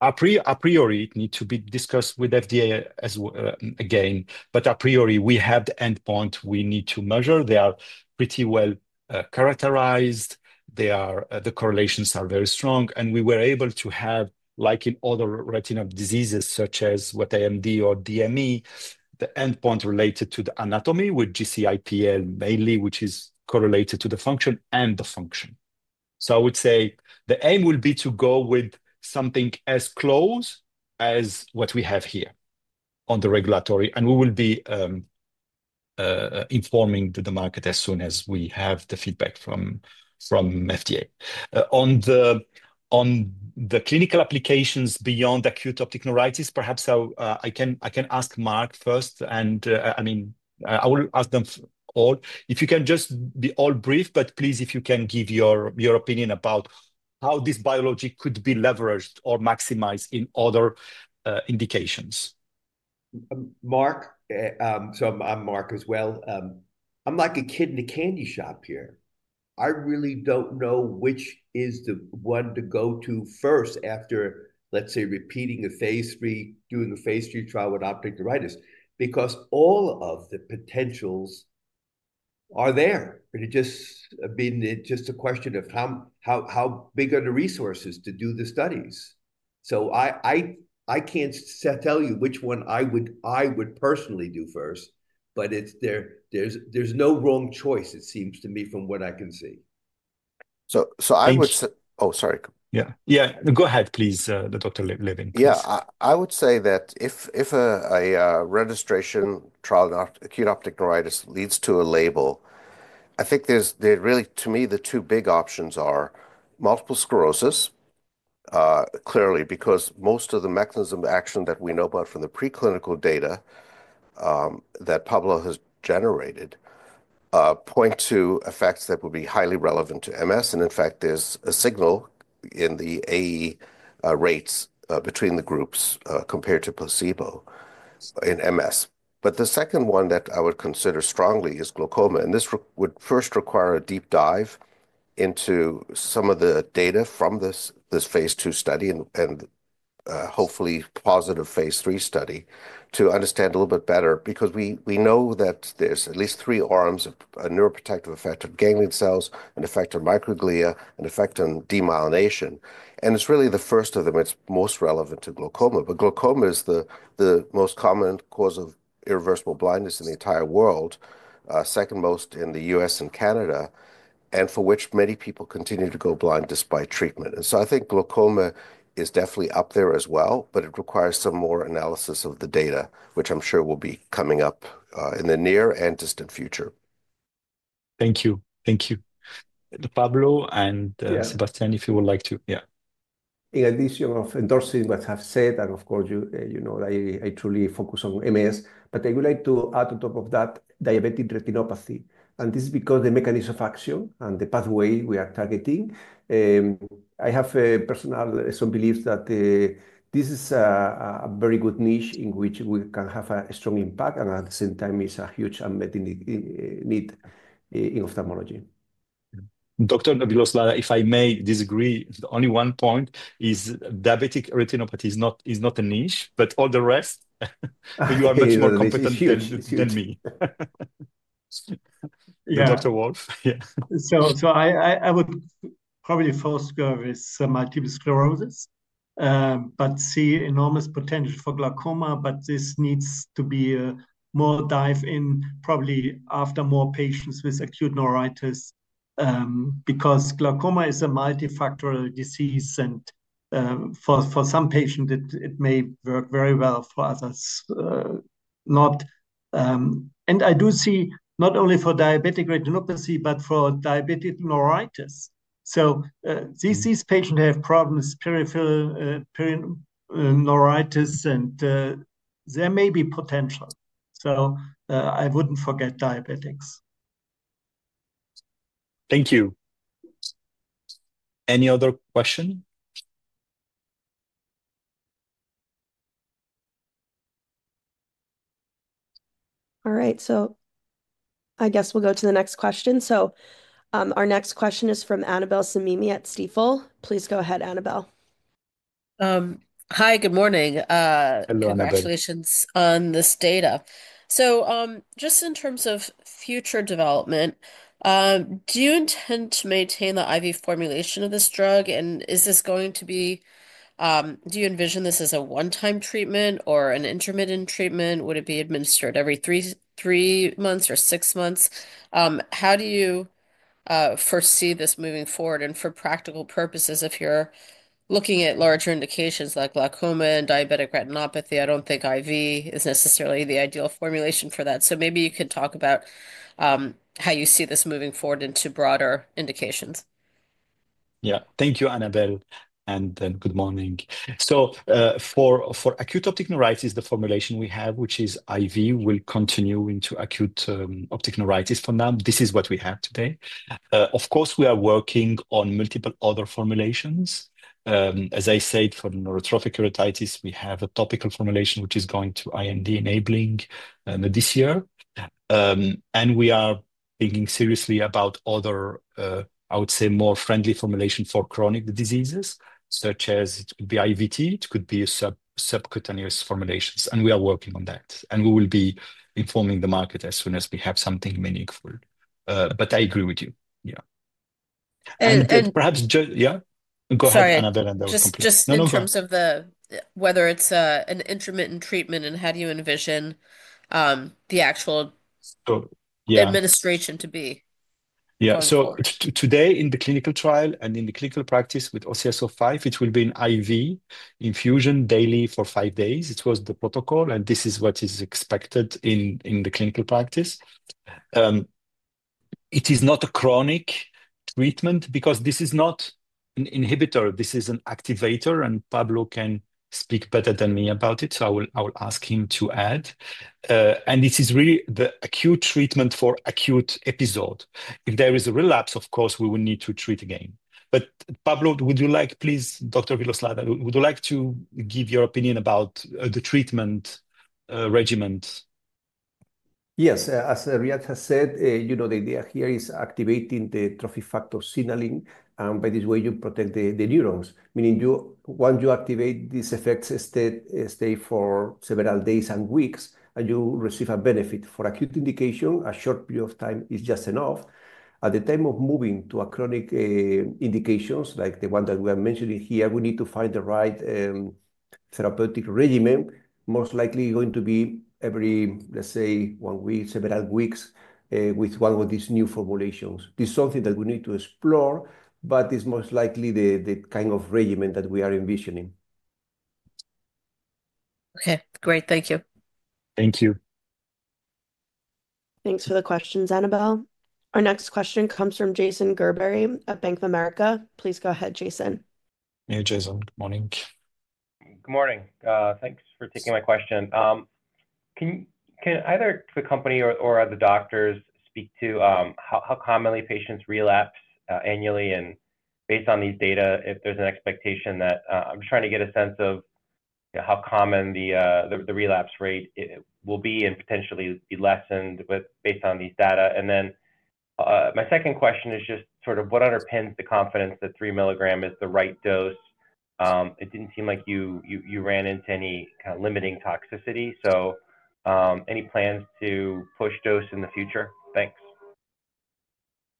a priori, it needs to be discussed with FDA again. But a priori, we have the endpoint we need to measure. They are pretty well characterized. The correlations are very strong, and we were able to have, like in other retinal diseases such as what AMD or DME, the endpoint related to the anatomy with GCIPL mainly, which is correlated to the function. So I would say the aim will be to go with something as close as what we have here on the regulatory, and we will be informing the market as soon as we have the feedback from FDA. On the clinical applications beyond acute optic neuritis, perhaps I can ask Mark first, and I mean, I will ask them all if you can just be all brief, but please, if you can give your opinion about how this biology could be leveraged or maximized in other indications. Mark, So I'm Mark as well. I'm like a kid in a candy shop here. I really don't know which is the one to go to first after, let's say, repeating a phase III, doing a phase III trial with optic neuritis because all of the potentials are there. It's just been a question of how big are the resources to do the studies. So I can't tell you which one I would personally do first, but there's no wrong choice, it seems to me, from what I can see. So I would say. Oh, sorry. Yeah. Yeah. Go ahead, please, Dr. Levin. Yeah. I would say that if a registration trial of acute optic neuritis leads to a label, I think there's really, to me, the two big options are multiple sclerosis, clearly, because most of the mechanism of action that we know about from the preclinical data that Pablo has generated point to effects that would be highly relevant to MS. And in fact, there's a signal in the AE rates between the groups compared to placebo in MS. But the second one that I would consider strongly is glaucoma. And this would first require a deep dive into some of the data from this phase II study and hopefully positive phase III study to understand a little bit better because we know that there's at least three arms of neuroprotective effect of ganglion cells, an effect on microglia, an effect on demyelination. And it's really the first of them. It's most relevant to glaucoma. But glaucoma is the most common cause of irreversible blindness in the entire world, second most in the U.S. and Canada, and for which many people continue to go blind despite treatment. And so I think glaucoma is definitely up there as well, but it requires some more analysis of the data, which I'm sure will be coming up in the near and distant future. Thank you. Thank you. Pablo and Sebastian, if you would like to, yeah. Yeah, at least you're endorsing what I've said. And of course, you know I truly focus on MS. But I would like to add on top of that, diabetic retinopathy. And this is because the mechanism of action and the pathway we are targeting, I have a personal belief that this is a very good niche in which we can have a strong impact and at the same time is a huge unmet need in ophthalmology. Dr. Villoslada, if I may disagree, the only one point is diabetic retinopathy is not a niche, but all the rest, you are much more competent than me. Dr. Wolf, yeah, so I would probably first go with some multiple sclerosis, but see enormous potential for glaucoma. But this needs to be a more dive in probably after more patients with acute neuritis because glaucoma is a multifactorial disease. And for some patients, it may work very well for others. And I do see not only for diabetic retinopathy, but for diabetic neuritis. So these patients have problems with peripheral neuritis, and there may be potential. So I wouldn't forget diabetics. Thank you. Any other question? All right, so I guess we'll go to the next question. So our next question is from Annabel Samimy at Stifel. Please go ahead, Annabel. Hi, good morning. Hello, Annabel. Congratulations on this data. So just in terms of future development, do you intend to maintain the IV formulation of this drug? And do you envision this as a one-time treatment or an intermittent treatment? Would it be administered every three months or six months? How do you foresee this moving forward? And for practical purposes, if you're looking at larger indications like glaucoma and diabetic retinopathy, I don't think IV is necessarily the ideal formulation for that. So maybe you could talk about how you see this moving forward into broader indications. Yeah. Thank you, Annabel. And then good morning. So for acute optic neuritis, the formulation we have, which is IV, will continue into acute optic neuritis for now. This is what we have today. Of course, we are working on multiple other formulations. As I said, for neurotrophic keratitis, we have a topical formulation which is going to IND enabling this year. And we are thinking seriously about other, I would say, more friendly formulations for chronic diseases, such as it could be IVT, it could be subcutaneous formulations. And we are working on that. And we will be informing the market as soon as we have something meaningful. But I agree with you. Yeah. And perhaps just, yeah? Go ahead, Annabel. Sorry. Just in terms of whether it's an intermittent treatment and how do you envision the actual administration to be? Yeah. So today, in the clinical trial and in the clinical practice with OCS-05, it will be an IV infusion daily for five days. It was the protocol, and this is what is expected in the clinical practice. It is not a chronic treatment because this is not an inhibitor. This is an activator, and Pablo can speak better than me about it, so I will ask him to add. And this is really the acute treatment for acute episode. If there is a relapse, of course, we will need to treat again. But Pablo, would you like, please, Dr. Villoslada, would you like to give your opinion about the treatment regimen? Yes. As Riad has said, the idea here is activating the trophic factor signaling. And by this way, you protect the neurons, meaning once you activate, these effects stay for several days and weeks, and you receive a benefit. For acute indication, a short period of time is just enough. At the time of moving to a chronic indication, like the one that we are mentioning here, we need to find the right therapeutic regimen, most likely going to be every, let's say, one week, several weeks with one of these new formulations. This is something that we need to explore, but it's most likely the kind of regimen that we are envisioning. Okay. Great. Thank you. Thank you. Thanks for the questions, Annabel. Our next question comes from Jason Gerberry of Bank of America. Please go ahead, Jason. Hey, Jason. Good morning. Good morning. Thanks for taking my question. Can either the company or the doctors speak to how commonly patients relapse annually? And based on these data, if there's an expectation that I'm trying to get a sense of how common the relapse rate will be and potentially be lessened based on these data? My second question is just sort of what underpins the confidence that three milligrams is the right dose? It didn't seem like you ran into any kind of limiting toxicity. So any plans to push dose in the future? Thanks.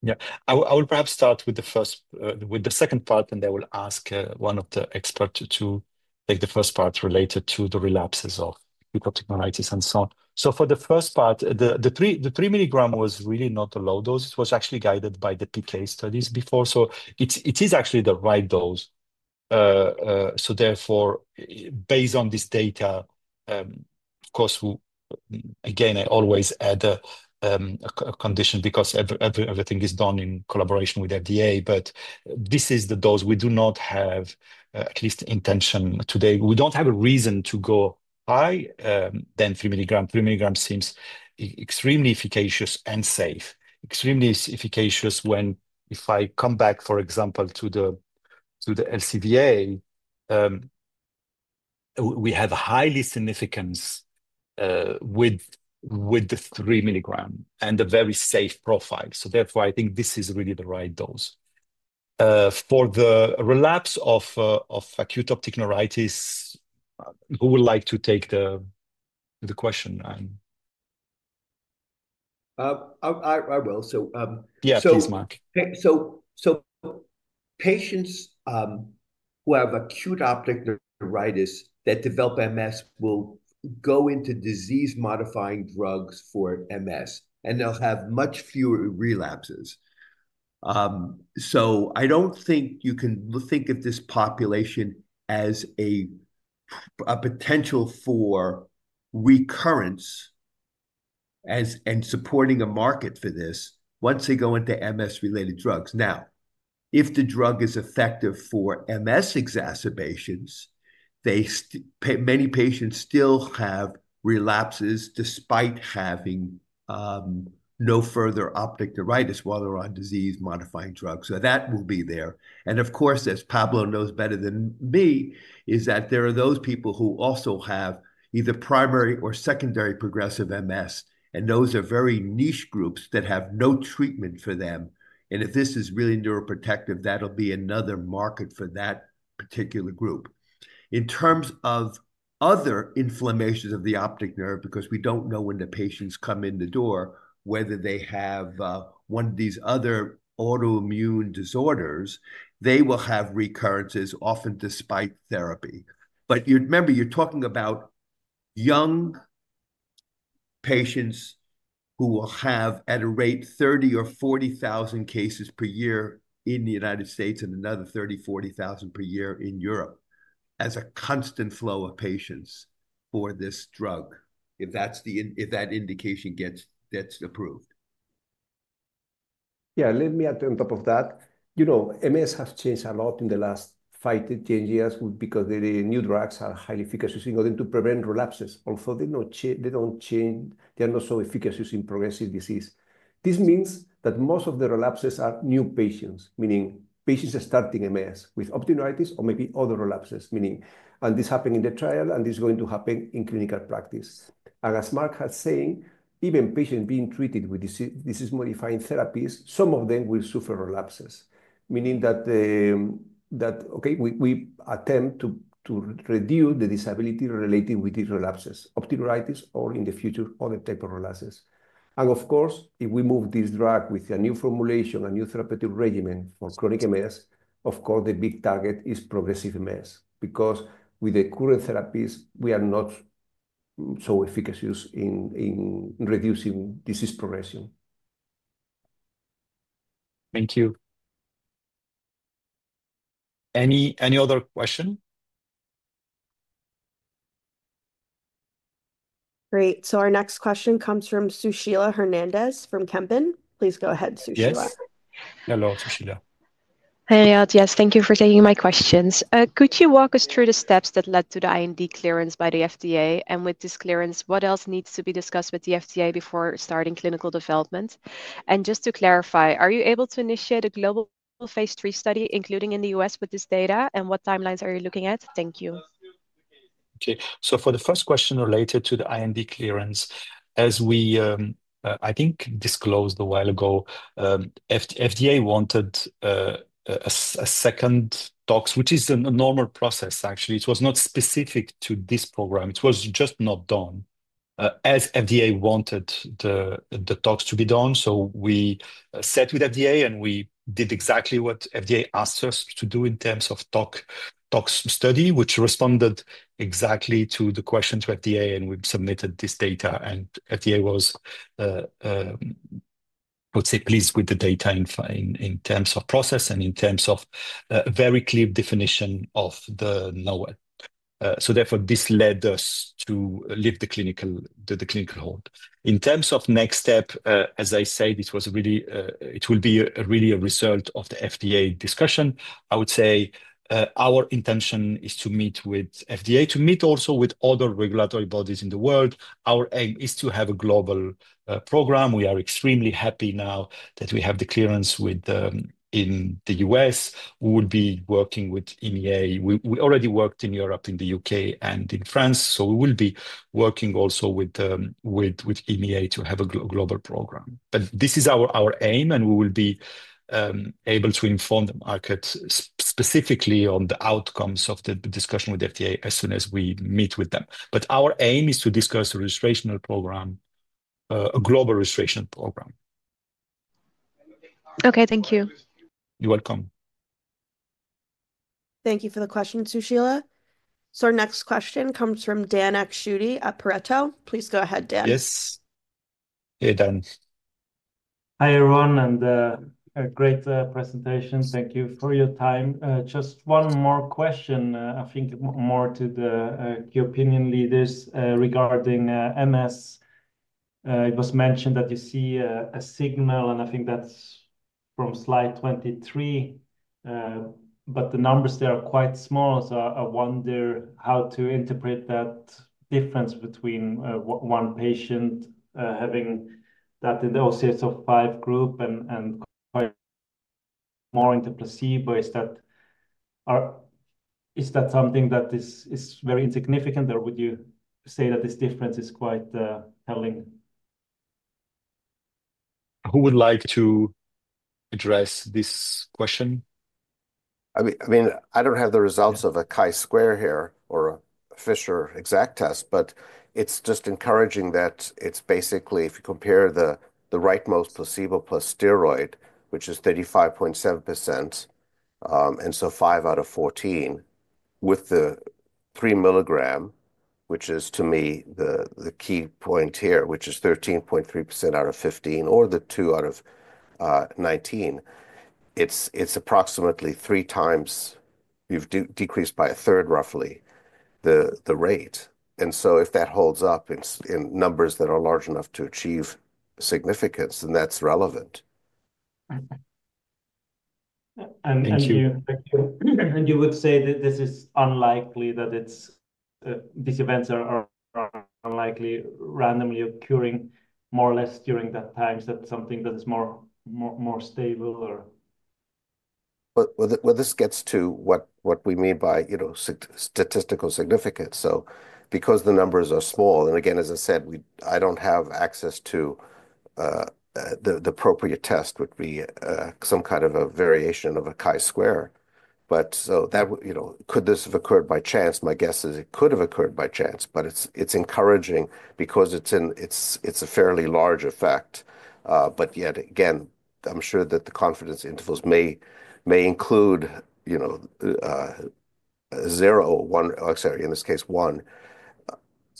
Yeah. I will perhaps start with the second part, and I will ask one of the experts to take the first part related to the relapses of acute optic neuritis and so on. For the first part, the three milligrams was really not a low dose. It was actually guided by the PK studies before. It is actually the right dose. Therefore, based on this data, of course, again, I always add a condition because everything is done in collaboration with FDA. But this is the dose we do not have at least intention today. We don't have a reason to go higher than three milligram. Three milligram seems extremely efficacious and safe. Extremely efficacious even if I come back, for example, to the LCVA. We have highly significant with the three milligram and a very safe profile. So therefore, I think this is really the right dose. For the relapse of acute optic neuritis, who would like to take the question? I will. Yeah, please, Mark. So patients who have acute optic neuritis that develop MS will go into disease-modifying drugs for MS, and they'll have much fewer relapses. So I don't think you can think of this population as a potential for recurrence and supporting a market for this once they go into MS-related drugs. Now, if the drug is effective for MS exacerbations, many patients still have relapses despite having no further optic neuritis while they're on disease-modifying drugs. So that will be there. And of course, as Pablo knows better than me, is that there are those people who also have either primary or secondary progressive MS, and those are very niche groups that have no treatment for them. And if this is really neuroprotective, that'll be another market for that particular group. In terms of other inflammations of the optic nerve, because we don't know when the patients come in the door, whether they have one of these other autoimmune disorders, they will have recurrences often despite therapy. But you remember, you're talking about young patients who will have at a rate 30,000 or 40,000 cases per year in the United States and another 30,000, 40,000 per year in Europe as a constant flow of patients for this drug if that indication gets approved. Yeah. Let me add on top of that. MS has changed a lot in the last five to 10 years because the new drugs are highly efficacious in order to prevent relapses. Although they don't change, they are not so efficacious in progressive disease. This means that most of the relapses are new patients, meaning patients are starting MS with optic neuritis or maybe other relapses, meaning this happened in the trial, and this is going to happen in clinical practice, and as Mark has saying, even patients being treated with disease-modifying therapies, some of them will suffer relapses, meaning that, okay, we attempt to reduce the disability related with these relapses, optic neuritis or in the future, other type of relapses. Of course, if we move this drug with a new formulation, a new therapeutic regimen for chronic MS, of course, the big target is progressive MS because with the current therapies, we are not so efficacious in reducing disease progression. Thank you. Any other question? Great. So our next question comes from Sushila Hernandez from Kempen. Please go ahead, Sushila. Hello, Sushila. Hi, Riad. Yes, thank you for taking my questions. Could you walk us through the steps that led to the IND clearance by the FDA? And with this clearance, what else needs to be discussed with the FDA before starting clinical development? And just to clarify, are you able to initiate a global phase III study, including in the U.S. with this data? And what timelines are you looking at? Thank you. Okay. For the first question related to the IND clearance, as we, I think, disclosed a while ago, the FDA wanted a second tox, which is a normal process, actually. It was not specific to this program. It was just not done as the FDA wanted the tox to be done. We sat with the FDA, and we did exactly what the FDA asked us to do in terms of tox study, which responded exactly to the question to the FDA, and we submitted this data, and the FDA was, I would say, pleased with the data in terms of process and in terms of a very clear definition of the NOAEL. Therefore, this led us to lift the clinical hold. In terms of next step, as I said, it will be really a result of the FDA discussion. I would say our intention is to meet with FDA, to meet also with other regulatory bodies in the world. Our aim is to have a global program. We are extremely happy now that we have the clearance in the U.S. We will be working with EMEA. We already worked in Europe, in the U.K., and in France. So we will be working also with EMEA to have a global program. But this is our aim, and we will be able to inform the market specifically on the outcomes of the discussion with FDA as soon as we meet with them. But our aim is to discuss a global registration program. Okay. Thank you. You're welcome. Thank you for the question, Sushila. So our next question comes from Dan Akschuti at Pareto. Please go ahead, Dan. Yes. Hey, Dan. Hi, everyone, and a great presentation. Thank you for your time. Just one more question, I think more to the key opinion leaders regarding MS. It was mentioned that you see a signal, and I think that's from Slide 23. But the numbers there are quite small, so I wonder how to interpret that difference between one patient having that in the OCS-05 group and quite more in the placebo. Is that something that is very insignificant, or would you say that this difference is quite telling? Who would like to address this question? I mean, I don't have the results of a chi-square here or a Fisher's exact test, but it's just encouraging that it's basically, if you compare the rightmost placebo plus steroid, which is 35.7%, and so five out of 14 with the three milligram, which is, to me, the key point here, which is 13.3% out of 15 or the two out of 19. It's approximately three times. You've decreased by a third, roughly, the rate. And so if that holds up in numbers that are large enough to achieve significance, then that's relevant. And you would say that this is unlikely that these events are unlikely randomly occurring more or less during that time. Is that something that is more stable or? Well, this gets to what we mean by statistical significance. So because the numbers are small, and again, as I said, I don't have access to the appropriate test would be some kind of a variation of a Chi-square. But so could this have occurred by chance? My guess is it could have occurred by chance, but it's encouraging because it's a fairly large effect. But yet, again, I'm sure that the confidence intervals may include zero or in this case, one.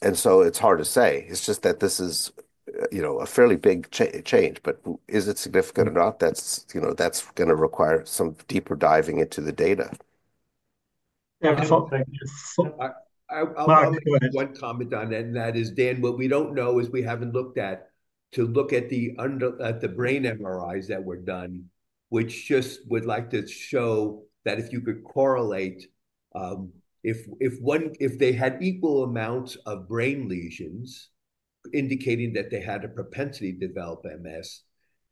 And so it's hard to say. It's just that this is a fairly big change, but is it significant or not? That's going to require some deeper diving into the data. One comment on that, and that is, Dan, what we don't know is we haven't looked at the brain MRIs that were done, which just would like to show that if you could correlate, if they had equal amounts of brain lesions indicating that they had a propensity to develop MS,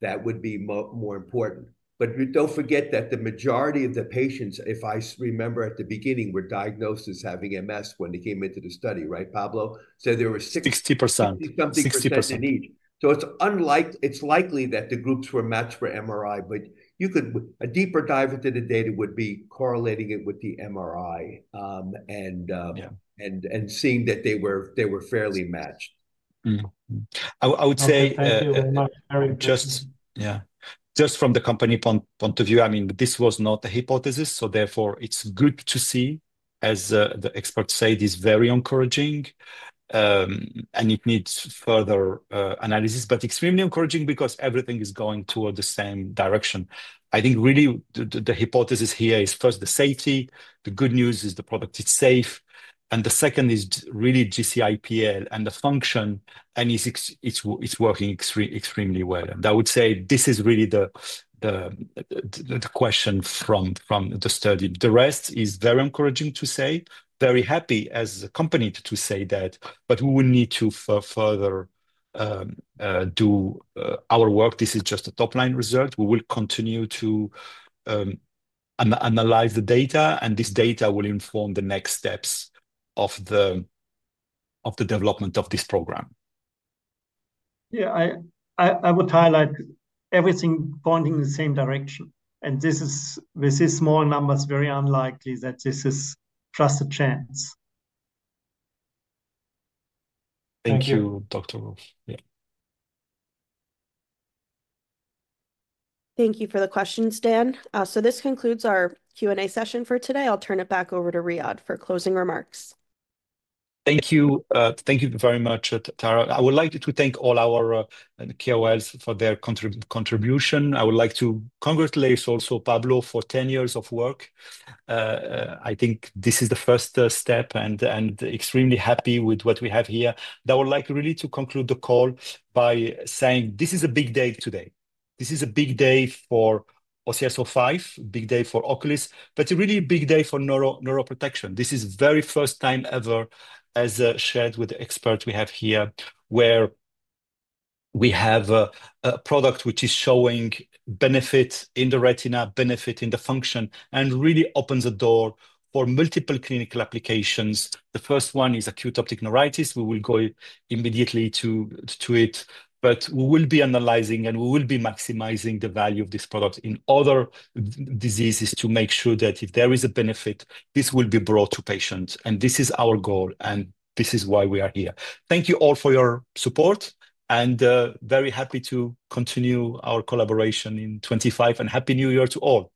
that would be more important, but don't forget that the majority of the patients, if I remember at the beginning, were diagnosed as having MS when they came into the study, right, Pablo? So there were 60%. 60%. So it's likely that the groups were matched for MRI, but a deeper dive into the data would be correlating it with the MRI and seeing that they were fairly matched. I would say just from the company point of view, I mean, this was not a hypothesis. So therefore, it's good to see, as the experts say, this is very encouraging, and it needs further analysis, but extremely encouraging because everything is going toward the same direction. I think really the hypothesis here is first the safety. The good news is the product is safe. And the second is really GCIPL and the function, and it's working extremely well. And I would say this is really the question from the study. The rest is very encouraging to say, very happy as a company to say that, but we will need to further do our work. This is just a top-line result. We will continue to analyze the data, and this data will inform the next steps of the development of this program. Yeah, I would highlight everything pointing in the same direction. And this is small numbers, very unlikely that this is just a chance. Thank you, Dr. Wolf. Yeah. Thank you for the questions, Dan. So this concludes our Q&A session for today. I'll turn it back over to Riad for closing remarks. Thank you. Thank you very much, Tara. I would like to thank all our KOLs for their contribution. I would like to congratulate also, Pablo, for 10 years of work. I think this is the first step and extremely happy with what we have here. I would like really to conclude the call by saying this is a big day today. This is a big day for OCS-05, a big day for Oculis, but really a big day for neuroprotection. This is the very first time ever, as shared with the experts we have here, where we have a product which is showing benefit in the retina, benefit in the function, and really opens the door for multiple clinical applications. The first one is acute optic neuritis. We will go immediately to it, but we will be analyzing and we will be maximizing the value of this product in other diseases to make sure that if there is a benefit, this will be brought to patients, and this is our goal, and this is why we are here. Thank you all for your support, and very happy to continue our collaboration in 2025, and happy New Year to all.